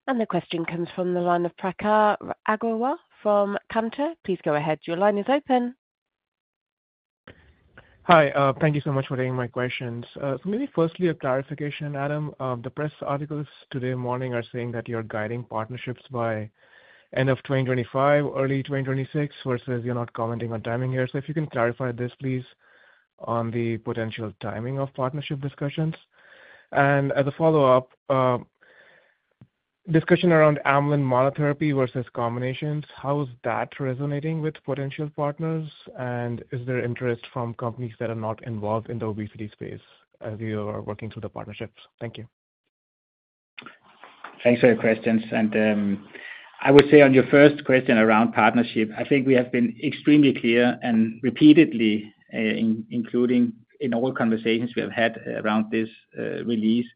S1: And the question comes from the line of Prakhar Agrawal from Cantor. Please go ahead. Your line is open.
S10: Hi. Thank you so much for taking my questions. So maybe firstly, a clarification, Adam. The press articles today morning are saying that you're guiding partnerships by end of 2025, early 2026, versus you're not commenting on timing here. So if you can clarify this, please, on the potential timing of partnership discussions. And as a follow-up, discussion around amylin monotherapy versus combinations, how is that resonating with potential partners? And is there interest from companies that are not involved in the obesity space as you are working through the partnerships? Thank you.
S3: Thanks for your questions.I would say on your first question around partnership, I think we have been extremely clear and repeatedly, including in all conversations we have had around this release,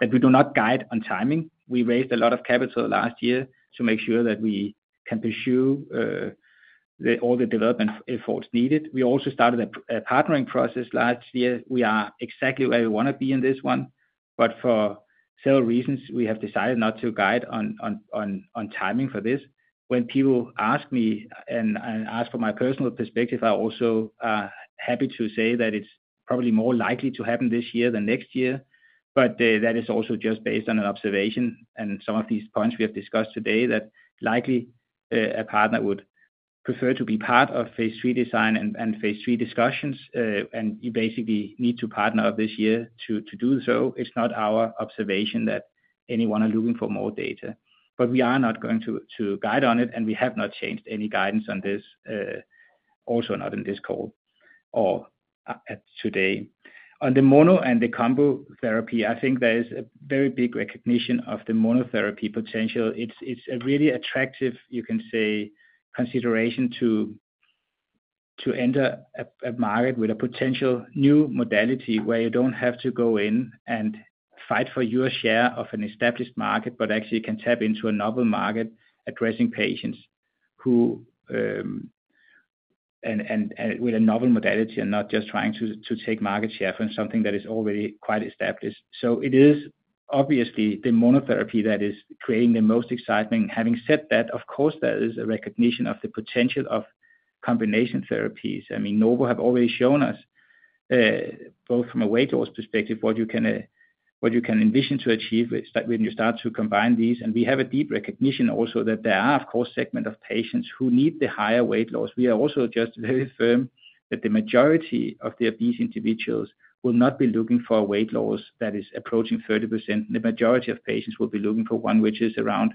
S3: that we do not guide on timing. We raised a lot of capital last year to make sure that we can pursue all the development efforts needed. We also started a partnering process last year. We are exactly where we want to be in this one. For several reasons, we have decided not to guide on timing for this. When people ask me and ask for my personal perspective, I'm also happy to say that it's probably more likely to happen this year than next year. That is also just based on an observation. And some of these points we have discussed today, that likely a partner would prefer to be part of phase III design and phase III discussions. And you basically need to partner up this year to do so. It's not our observation that anyone is looking for more data. But we are not going to guide on it, and we have not changed any guidance on this, also not in this call or today. On the mono and the combo therapy, I think there is a very big recognition of the monotherapy potential. It's a really attractive, you can say, consideration to enter a market with a potential new modality where you don't have to go in and fight for your share of an established market, but actually can tap into a novel market addressing patients with a novel modality and not just trying to take market share from something that is already quite established. So it is obviously the monotherapy that is creating the most excitement. Having said that, of course, there is a recognition of the potential of combination therapies. I mean, Novo have already shown us, both from a weight loss perspective, what you can envision to achieve when you start to combine these. And we have a deep recognition also that there are, of course, segments of patients who need the higher weight loss. We are also just very firm that the majority of these individuals will not be looking for a weight loss that is approaching 30%. The majority of patients will be looking for one which is around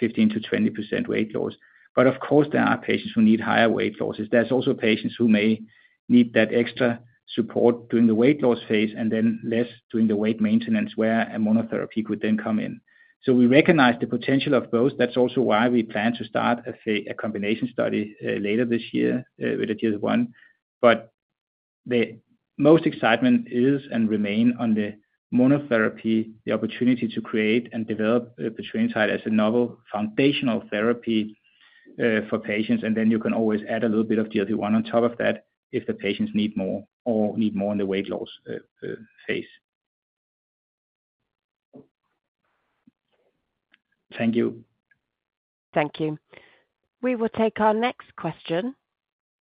S3: 15%-20% weight loss. But of course, there are patients who need higher weight loss. There's also patients who may need that extra support during the weight loss phase and then less during the weight maintenance where a monotherapy could then come in. So we recognize the potential of both. That's also why we plan to start a combination study later this year with a GLP-1. But the most excitement is and remain on the monotherapy, the opportunity to create and develop petrelintide as a novel foundational therapy for patients and then you can always add a little bit of GLP-1 on top of that if the patients need more or need more in the weight loss phase. Thank you.
S1: Thank you. We will take our next question.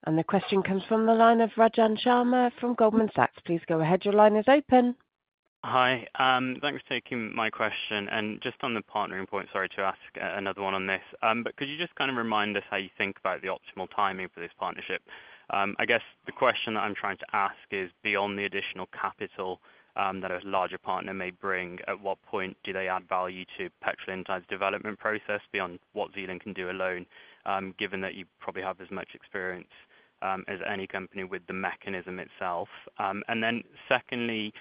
S1: And the question comes from the line of Rajan Sharma from Goldman Sachs. Please go ahead. Your line is open.
S11: Hi. Thanks for taking my question. And just on the partnering point, sorry to ask another one on this. But could you just kind of remind us how you think about the optimal timing for this partnership? I guess the question that I'm trying to ask is, beyond the additional capital that a larger partner may bring, at what point do they add value to petrelintide's development process beyond what Zealand can do alone, given that you probably have as much experience as any company with the mechanism itself? and then secondly,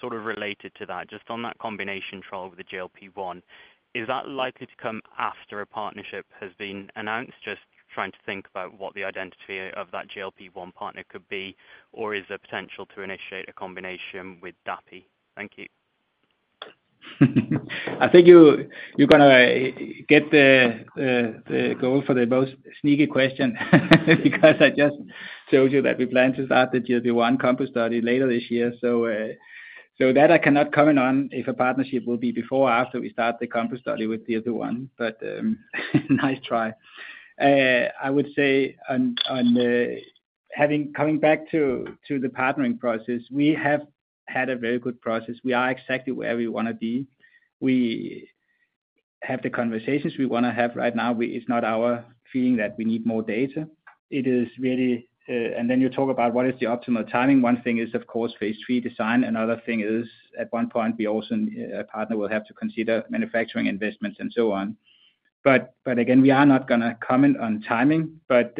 S11: sort of related to that, just on that combination trial with the GLP-1, is that likely to come after a partnership has been announced? Just trying to think about what the identity of that GLP-1 partner could be, or is there potential to initiate a combination with Dapi? Thank you.
S3: I think you're going to get the gold for the most sneaky question because I just told you that we plan to start the GLP-1 combo study later this year. So that I cannot comment on if a partnership will be before or after we start the combo study with GLP-1. But nice try. I would say, coming back to the partnering process, we have had a very good process. We are exactly where we want to be. We have the conversations we want to have right now. It's not our feeling that we need more data. It is really, and then you talk about what is the optimal timing. One thing is, of course, phase III design. Another thing is, at one point, we also, a partner will have to consider manufacturing investments and so on. But again, we are not going to comment on timing. But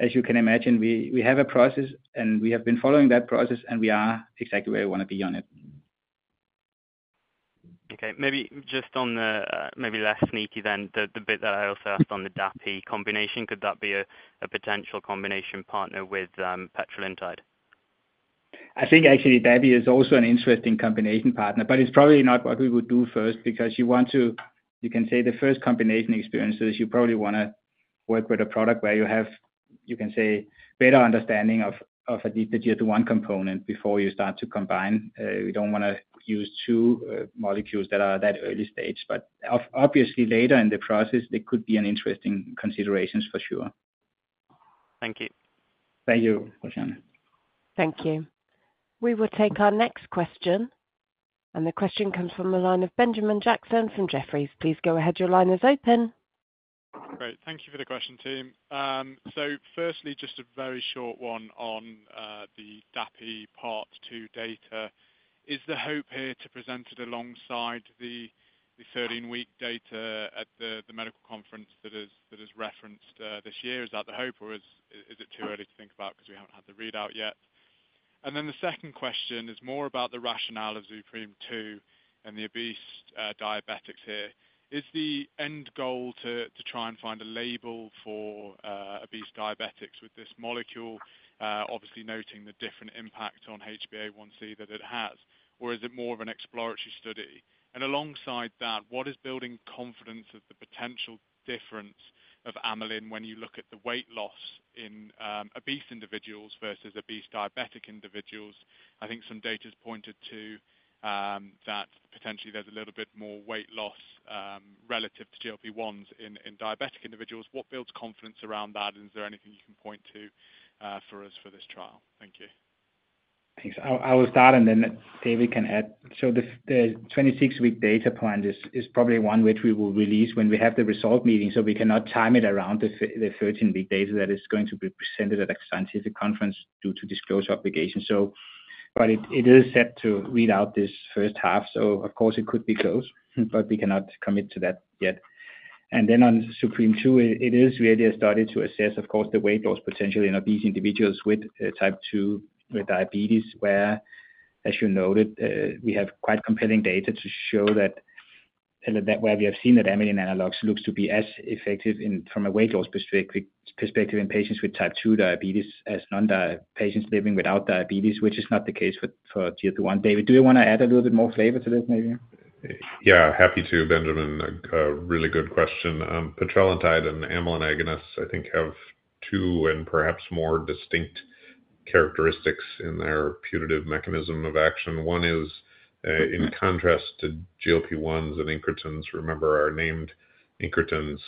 S3: as you can imagine, we have a process, and we have been following that process, and we are exactly where we want to be on it.
S11: Okay. Maybe just on the maybe last sneaky then, the bit that I also asked on the Dapi combination, could that be a potential combination partner with petrelintide?
S4: I think actually Dapi is also an interesting combination partner, but it's probably not what we would do first because you want to, you can say the first combination experiences, you probably want to work with a product where you have, you can say, better understanding of at least the GLP-1 component before you start to combine. We don't want to use two molecules that are at that early stage. But obviously, later in the process, there could be interesting considerations for sure.
S11: Thank you.
S4: Thank you, Rajan.
S1: Thank you. We will take our next question. And the question comes from the line of Benjamin Jackson from Jefferies. Please go ahead. Your line is open.
S12: Great. Thank you for the question, team. So firstly, just a very short one on the Dapi part 2 data. Is the hope here to present it alongside the 13-week data at the medical conference that is referenced this year? Is that the hope, or is it too early to think about because we haven't had the readout yet? And then the second question is more about the rationale of ZUPREME-2 and the obese diabetics here. Is the end goal to try and find a label for obese diabetics with this molecule, obviously noting the different impact on HbA1c that it has, or is it more of an exploratory study? and alongside that, what is building confidence of the potential difference of amylin when you look at the weight loss in obese individuals versus obese diabetic individuals? I think some data has pointed to that potentially there's a little bit more weight loss relative to GLP-1s in diabetic individuals. What builds confidence around that, and is there anything you can point to for us for this trial? Thank you.
S3: Thanks. I will start, and then David can add. So the 26-week data plan is probably one which we will release when we have the results meeting. So we cannot time it around the 13-week data that is going to be presented at a scientific conference due to disclosure obligations. But it is set to read out this first half. So of course, it could be close, but we cannot commit to that yet. And then on ZUPREME-2, it is really a study to assess, of course, the weight loss potential in obese individuals with type 2 diabetes where, as you noted, we have quite compelling data to show that where we have seen that amylin analogs looks to be as effective from a weight loss perspective in patients with type 2 diabetes as non-patients living without diabetes, which is not the case for GLP-1. David, do you want to add a little bit more flavor to this, maybe?
S4: Yeah, happy to, Benjamin. Really good question. Petrelintide and amylin agonists, I think, have two and perhaps more distinct characteristics in their putative mechanism of action. One is, in contrast to GLP-1s and incretins. Remember, they are named incretins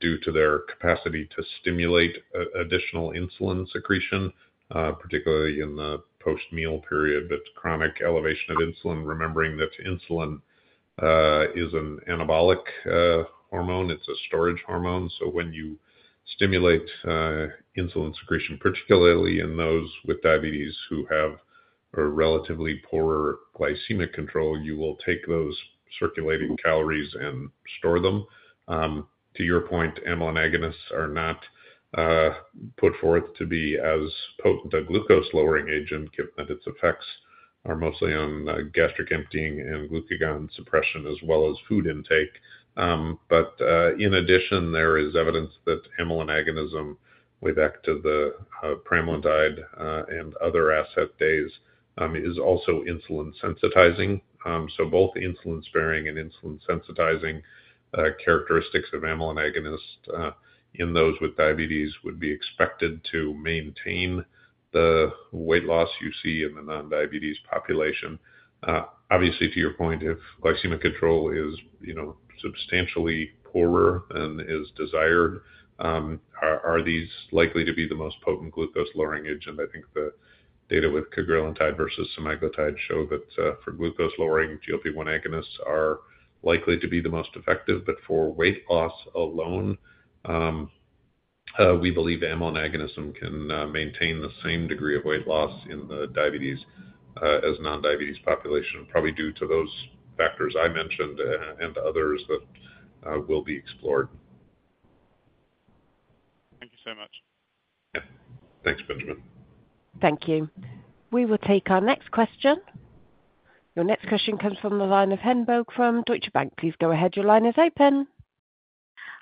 S4: due to their capacity to stimulate additional insulin secretion, particularly in the post-meal period. But chronic elevation of insulin, remembering that insulin is an anabolic hormone. It's a storage hormone. So when you stimulate insulin secretion, particularly in those with diabetes who have relatively poorer glycemic control, you will take those circulating calories and store them. To your point, amylin agonists are not put forth to be as potent a glucose-lowering agent, given that its effects are mostly on gastric emptying and glucagon suppression as well as food intake. But in addition, there is evidence that amylin agonism with [ECTA], the pramlintide and other asset days, is also insulin sensitizing. So both insulin-sparing and insulin sensitizing characteristics of amylin agonists in those with diabetes would be expected to maintain the weight loss you see in the non-diabetes population. Obviously, to your point, if glycemic control is substantially poorer than is desired, are these likely to be the most potent glucose-lowering agent? I think the data with cagrilintide versus semaglutide show that for glucose-lowering, GLP-1 agonists are likely to be the most effective. But for weight loss alone, we believe amylin agonism can maintain the same degree of weight loss in the diabetic as non-diabetic population, probably due to those factors I mentioned and others that will be explored.
S12: Thank you so much.
S4: Yeah. Thanks, Benjamin.
S1: Thank you. We will take our next question. Your next question comes from the line of Emmanuel Papadakis from Deutsche Bank. Please go ahead. Your line is open.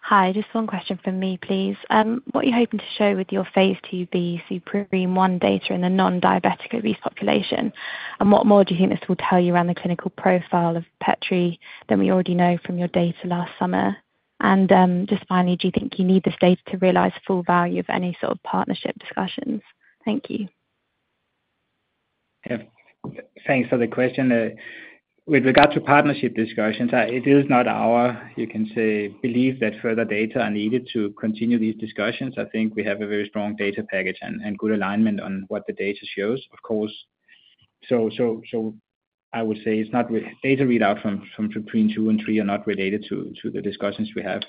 S13: Hi. Just one question from me, please. What are you hoping to show with your phase II-B ZUPREME-1 data in the non-diabetic, obese population and what more do you think this will tell you around the clinical profile of petrelintide than we already know from your data last summer? Just finally, do you think you need this data to realize full value of any sort of partnership discussions? Thank you.
S3: Thanks for the question. With regard to partnership discussions, it is not our, you can say, belief that further data are needed to continue these discussions. I think we have a very strong data package and good alignment on what the data shows, of course. I would say data readout from ZUPREME-2 and 3 are not related to the discussions we have.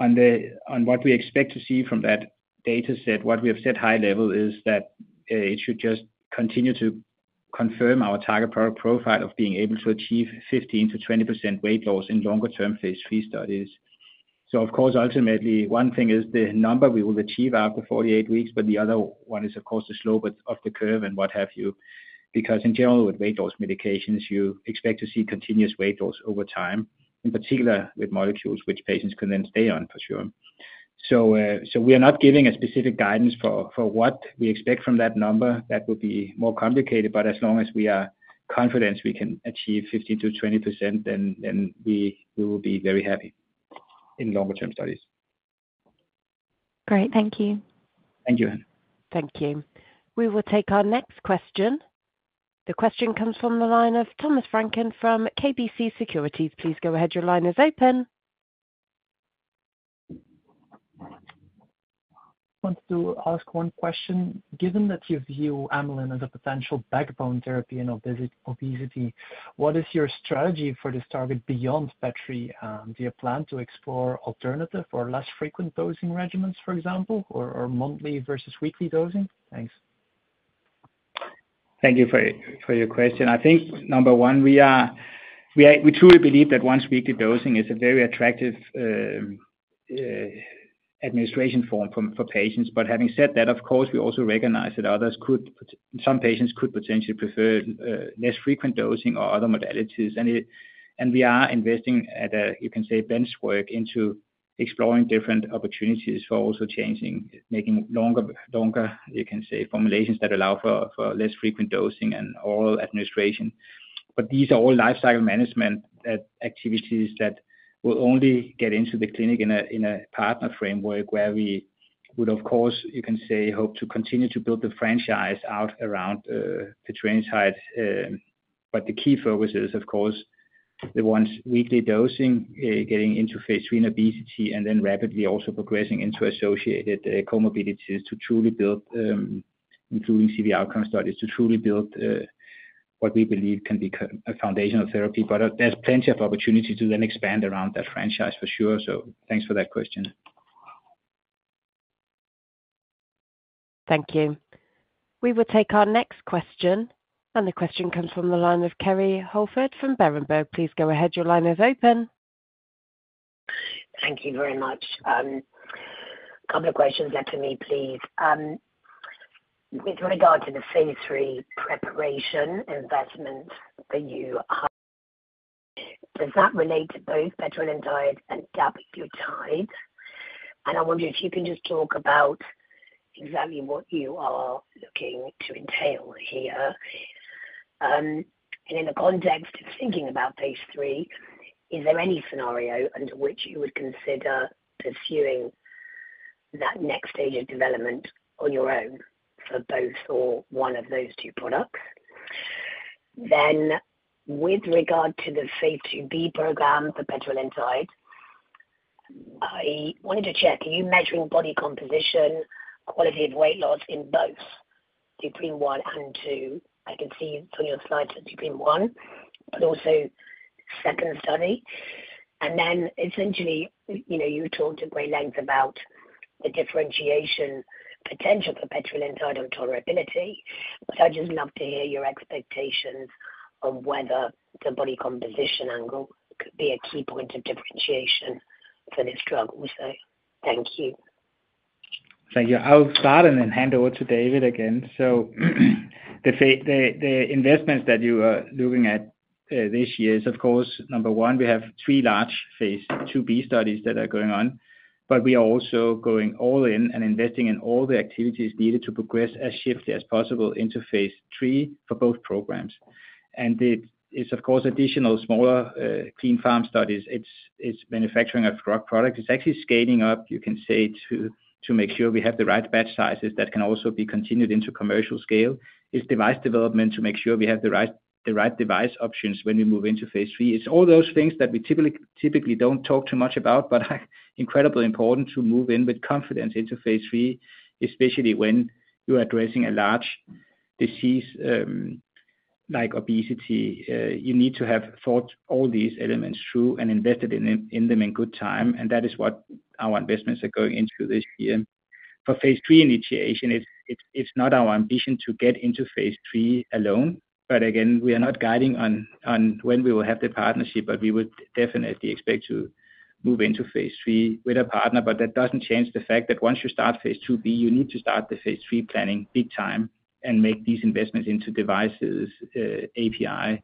S3: On what we expect to see from that data set, what we have said high level is that it should just continue to confirm our target profile of being able to achieve 15%-20% weight loss in longer-term phase III studies. So of course, ultimately, one thing is the number we will achieve after 48 weeks, but the other one is, of course, the slope of the curve and what have you. Because in general, with weight loss medications, you expect to see continuous weight loss over time, in particular with molecules which patients can then stay on, for sure. So we are not giving a specific guidance for what we expect from that number. That would be more complicated. But as long as we are confident we can achieve 15%-20%, then we will be very happy in longer-term studies.
S13: Great. Thank you.
S3: Thank you.
S1: Thank you. We will take our next question. The question comes from the line of Thomas Vranken from KBC Securities. Please go ahead. Your line is open.
S14: I want to ask one question. Given that you view amylin as a potential backbone therapy in obesity, what is your strategy for this target beyond petrelintide? Do you plan to explore alternative or less frequent dosing regimens, for example, or monthly versus weekly dosing? Thanks.
S3: Thank you for your question. I think, number one, we truly believe that once-weekly dosing is a very attractive administration form for patients. But having said that, of course, we also recognize that some patients could potentially prefer less frequent dosing or other modalities. And we are investing, you can say, benchwork into exploring different opportunities for also changing, making longer, you can say, formulations that allow for less frequent dosing and oral administration. But these are all lifecycle management activities that will only get into the clinic in a partner framework where we would, of course, you can say, hope to continue to build the franchise out around petrelintide. But the key focus is, of course, the once-weekly dosing, getting into phase III in obesity, and then rapidly also progressing into associated comorbidities to truly build, including CV outcome studies, to truly build what we believe can be a foundational therapy. But there's plenty of opportunity to then expand around that franchise, for sure. So thanks for that question.
S1: Thank you. We will take our next question. And the question comes from the line of Kerry Holford from Berenberg. Please go ahead. Your line is open.
S15: Thank you very much. A couple of questions left for me please, with regard to the phase III preparation investment that you have, does that relate to both petrelintide and dapiglutide? And I wonder if you can just talk about exactly what you are looking to entail here. And in the context of thinking about phase III, is there any scenario under which you would consider pursuing that next stage of development on your own for both or one of those two products? Then, with regard to the phase II-B program for petrelintide, I wanted to check. Are you measuring body composition, quality of weight loss in both ZUPREME-1 and 2? I can see from your slides that ZUPREME-1, but also second study. And then essentially, you talked at great length about the differentiation potential for petrelintide on tolerability. So I'd just love to hear your expectations on whether the body composition angle could be a key point of differentiation for this drug. So thank you.
S3: Thank you. I'll start and then hand over to David again. So the investments that you are looking at this year is, of course, number one, we have three large phase II-B studies that are going on. But we are also going all in and investing in all the activities needed to progress as swiftly as possible into phase III for both programs. And it's, of course, additional smaller clin pharm studies. It's manufacturing of drug products. It's actually scaling up, you can say, to make sure we have the right batch sizes that can also be continued into commercial scale. It's device development to make sure we have the right device options when we move into phase III. It's all those things that we typically don't talk too much about, but incredibly important to move in with confidence into phase III, especially when you're addressing a large disease like obesity. You need to have thought all these elements through and invested in them in good time. And that is what our investments are going into this year. For phase III initiation, it's not our ambition to get into phase III alone. But again, we are not guiding on when we will have the partnership, but we would definitely expect to move into phase III with a partner. But that doesn't change the fact that once you start phase II-B, you need to start the phase III planning big time and make these investments into devices, API,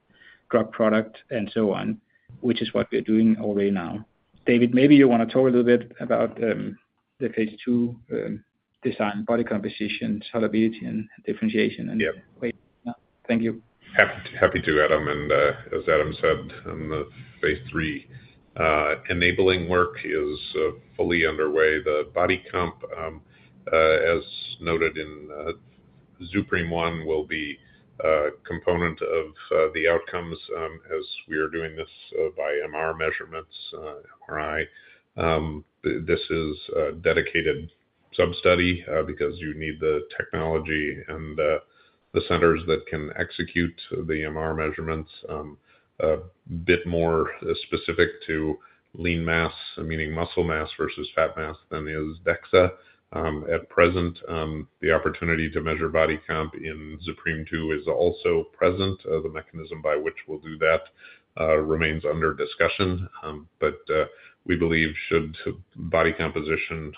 S3: drug product, and so on, which is what we're doing already now. David, maybe you want to talk a little bit about the phase II design, body composition, tolerability, and differentiation.
S4: Yeah. Thank you. Happy to, Adam, and as Adam said, in the phase III enabling work is fully underway. The body comp, as noted in ZUPREME-1, will be a component of the outcomes as we are doing this by MR measurements, MRI. This is a dedicated sub-study because you need the technology and the centers that can execute the MR measurements a bit more specific to lean mass, meaning muscle mass versus fat mass, than is DEXA at present. The opportunity to measure body comp in ZUPREME-2 is also present. The mechanism by which we'll do that remains under discussion. But we believe, should body composition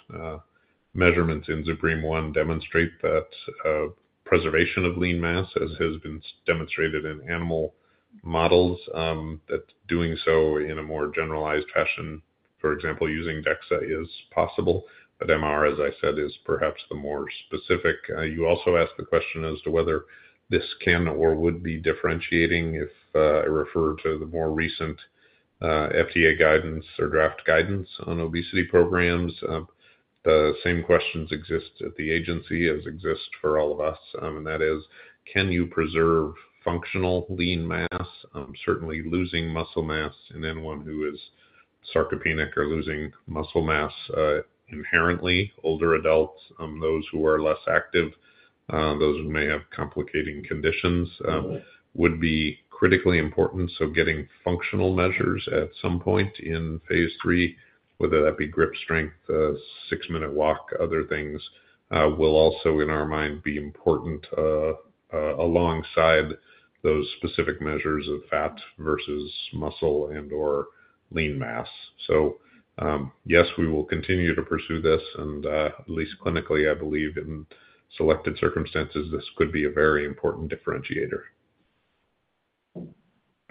S4: measurements in ZUPREME-1 demonstrate that preservation of lean mass, as has been demonstrated in animal models, that doing so in a more generalized fashion, for example, using DEXA, is possible. But MR, as I said, is perhaps the more specific. You also asked the question as to whether this can or would be differentiating if I refer to the more recent FDA guidance or draft guidance on obesity programs. The same questions exist at the agency as exist for all of us. And that is, can you preserve functional lean mass? Certainly losing muscle mass in anyone who is sarcopenic or losing muscle mass inherently, older adults, those who are less active, those who may have complicating conditions, would be critically important. So getting functional measures at some point in phase III, whether that be grip strength, six-minute walk, other things, will also, in our mind, be important alongside those specific measures of fat versus muscle and/or lean mass. So yes, we will continue to pursue this. And at least clinically, I believe in selected circumstances, this could be a very important differentiator.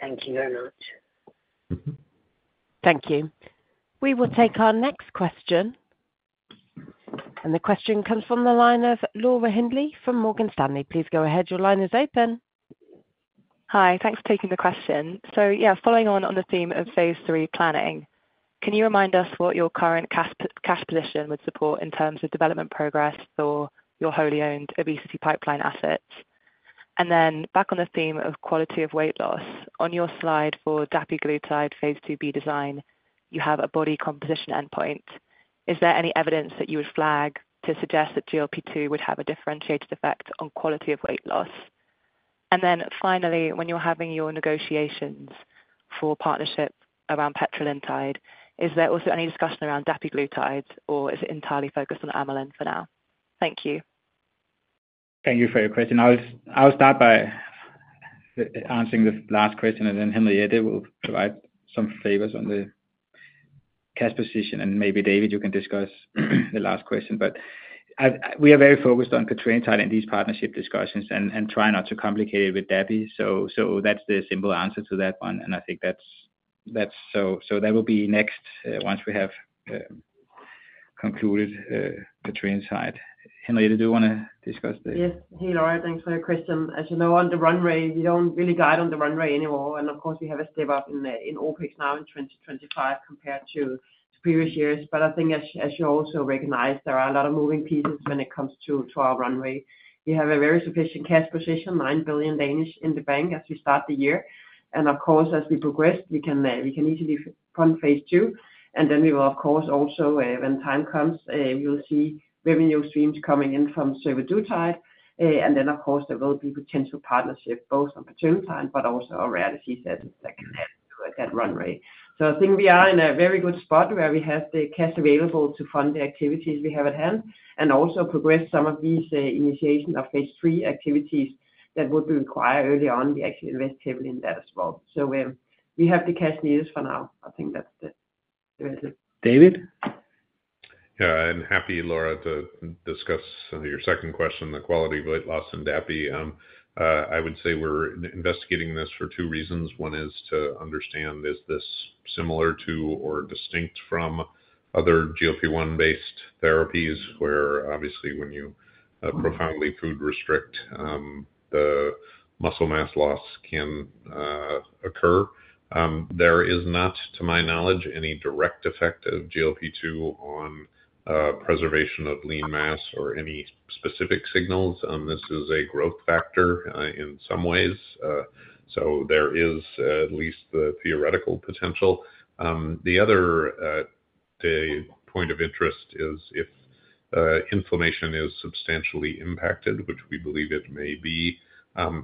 S15: Thank you very much.
S1: Thank you. We will take our next question. And the question comes from the line of Laura Hindley from Morgan Stanley. Please go ahead. Your line is open.
S16: Hi. Thanks for taking the question. So yeah, following on the theme of phase III planning, can you remind us what your current cash position would support in terms of development progress for your wholly owned obesity pipeline assets? and then back on the theme of quality of weight loss, on your slide for dapiglutide phase II-B design, you have a body composition endpoint. Is there any evidence that you would flag to suggest that GLP-2 would have a differentiated effect on quality of weight loss? And then finally, when you're having your negotiations for partnership around petrelintide, is there also any discussion around dapiglutide, or is it entirely focused on amylin for now? Thank you.
S3: Thank you for your question. I'll start by answering the last question, then Henriette will provide some color on the cash position. And maybe David, you can discuss the last question, but we are very focused on petrelintide in these partnership discussions and try not to complicate it with dapiglutide. So that's the simple answer to that one and I think that's so that will be next once we have concluded petrelintide. Henriette, did you want to discuss this?
S5: Yes. Hey, Laura. Thanks for your question. As you know, on the runway, we don't really guide on the runway anymore. And of course, we have a step up in OpEx now in 2025 compared to previous years. But I think, as you also recognize, there are a lot of moving pieces when it comes to our runway. We have a very sufficient cash position, 9 billion in the bank as we start the year. And of course, as we progress, we can easily fund phase II. And then we will, of course, also when time comes, we will see revenue streams coming in from survodutide. Then, of course, there will be potential partnership both on petrelintide but also on rare disease that can add to that runway. I think we are in a very good spot where we have the cash available to fund the activities we have at hand and also progress some of these initiations of phase III activities that would require early on. We actually invest heavily in that as well. We have the cash needed for now. I think that's it.
S3: David?
S4: Yeah. And happy, Laura, to discuss your second question, the quality of weight loss and dapiglutide. I would say we're investigating this for two reasons. One is to understand, is this similar to or distinct from other GLP-1-based therapies where, obviously, when you profoundly food restrict, the muscle mass loss can occur. There is not, to my knowledge, any direct effect of GLP-2 on preservation of lean mass or any specific signals. This is a growth factor in some ways. So there is at least the theoretical potential. The other point of interest is if inflammation is substantially impacted, which we believe it may be,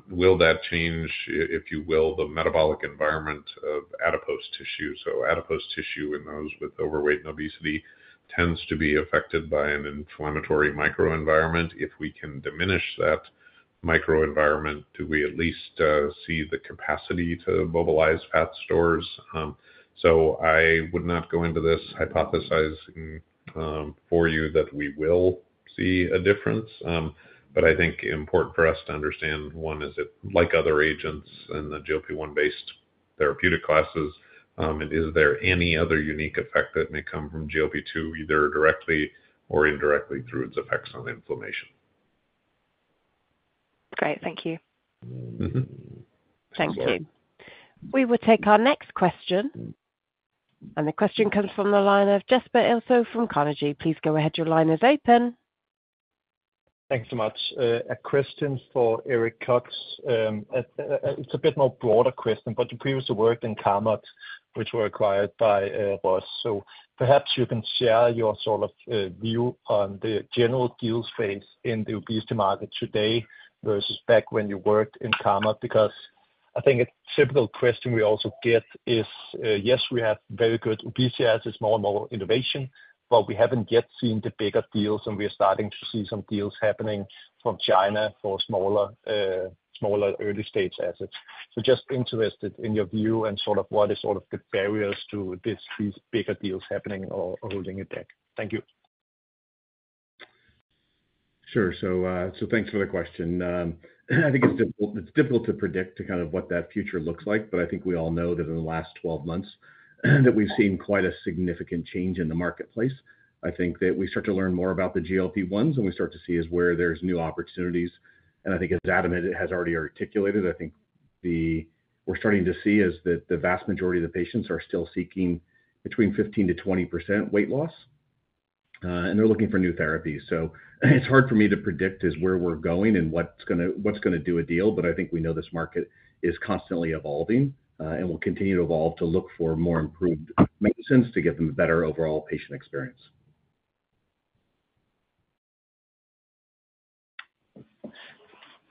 S4: will that change, if you will, the metabolic environment of adipose tissue? So adipose tissue in those with overweight and obesity tends to be affected by an inflammatory microenvironment. If we can diminish that microenvironment, do we at least see the capacity to mobilize fat stores? So I would not go into this hypothesizing for you that we will see a difference but I think important for us to understand, one, is it like other agents in the GLP-1-based therapeutic classes, is there any other unique effect that may come from GLP-2, either directly or indirectly through its effects on inflammation?
S16: Great. Thank you.
S1: Thank you. We will take our next question. And the question comes from the line of Jesper Ilsøe from Carnegie. Please go ahead. Your line is open.
S17: Thanks so much. A question for Eric Cox. It's a bit more broader question, but you previously worked in Carmot, which were acquired by Roche. So perhaps you can share your sort of view on the general deal space in the obesity market today versus back when you worked in Carmot? because I think a typical question we also get is, yes, we have very good obesity assets, more and more innovation, but we haven't yet seen the bigger deals. We are starting to see some deals happening from China for smaller early-stage assets. So just interested in your view and sort of what are sort of the barriers to these bigger deals happening or holding it back. Thank you.
S18: Sure. So thanks for the question. I think it's difficult to predict kind of what that future looks like. But I think we all know that in the last 12 months that we've seen quite a significant change in the marketplace. I think that we start to learn more about the GLP-1s and we start to see where there's new opportunities. And I think, as Adam has already articulated, I think we're starting to see is that the vast majority of the patients are still seeking between 15%-20% weight loss. And they're looking for new therapies. So it's hard for me to predict where we're going and what's going to do a deal. But I think we know this market is constantly evolving. And we'll continue to evolve to look for more improved medicines to give them a better overall patient experience.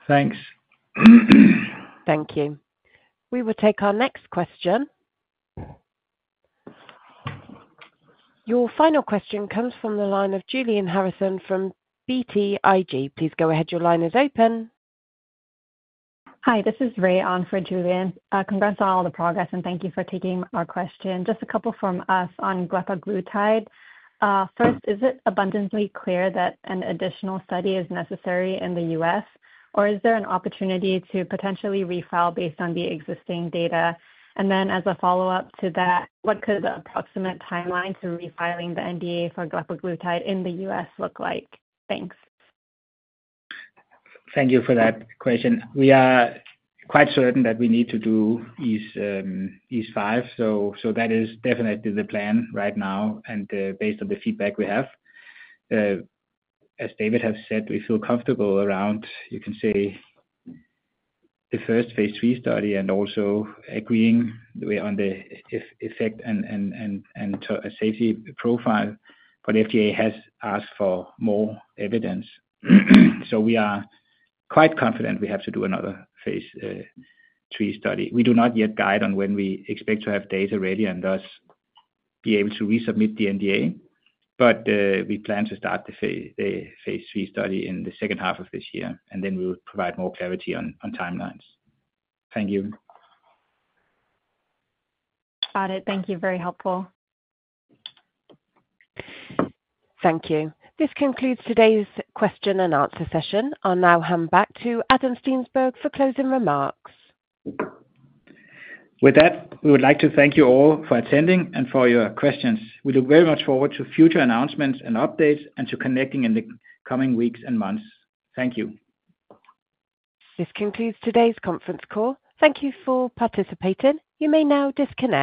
S17: Thanks.
S1: Thank you. We will take our next question. Your final question comes from the line of Julian Harrison from BTIG. Please go ahead. Your line is open.
S19: Hi. This is Rei on for Julian. Congrats on all the progress. And thank you for taking our question. Just a couple from us on glepaglutide. First, is it abundantly clear that an additional study is necessary in the U.S.? Or is there an opportunity to potentially refile based on the existing data? And then as a follow-up to that, what could the approximate timeline to refiling the NDA for glepaglutide in the U.S. look like? Thanks.
S3: Thank you for that question. We are quite certain that we need to do these five. So that is definitely the plan right now and based on the feedback we have. As David has said, we feel comfortable around, you can say, the first phase III study and also agreeing on the effect and safety profile. But FDA has asked for more evidence. So we are quite confident we have to do another phase III study. We do not yet guide on when we expect to have data ready and thus be able to resubmit the NDA. But we plan to start the phase III study in the second half of this year. And then we will provide more clarity on timelines. Thank you. Got it. Thank you. Very helpful.
S1: Thank you. This concludes today's question and answer session. I'll now hand back to Adam Steensberg for closing remarks.
S3: With that, we would like to thank you all for attending and for your questions. We look very much forward to future announcements and updates and to connecting in the coming weeks and months. Thank you.
S1: This concludes today's conference call. Thank you for participating. You may now disconnect.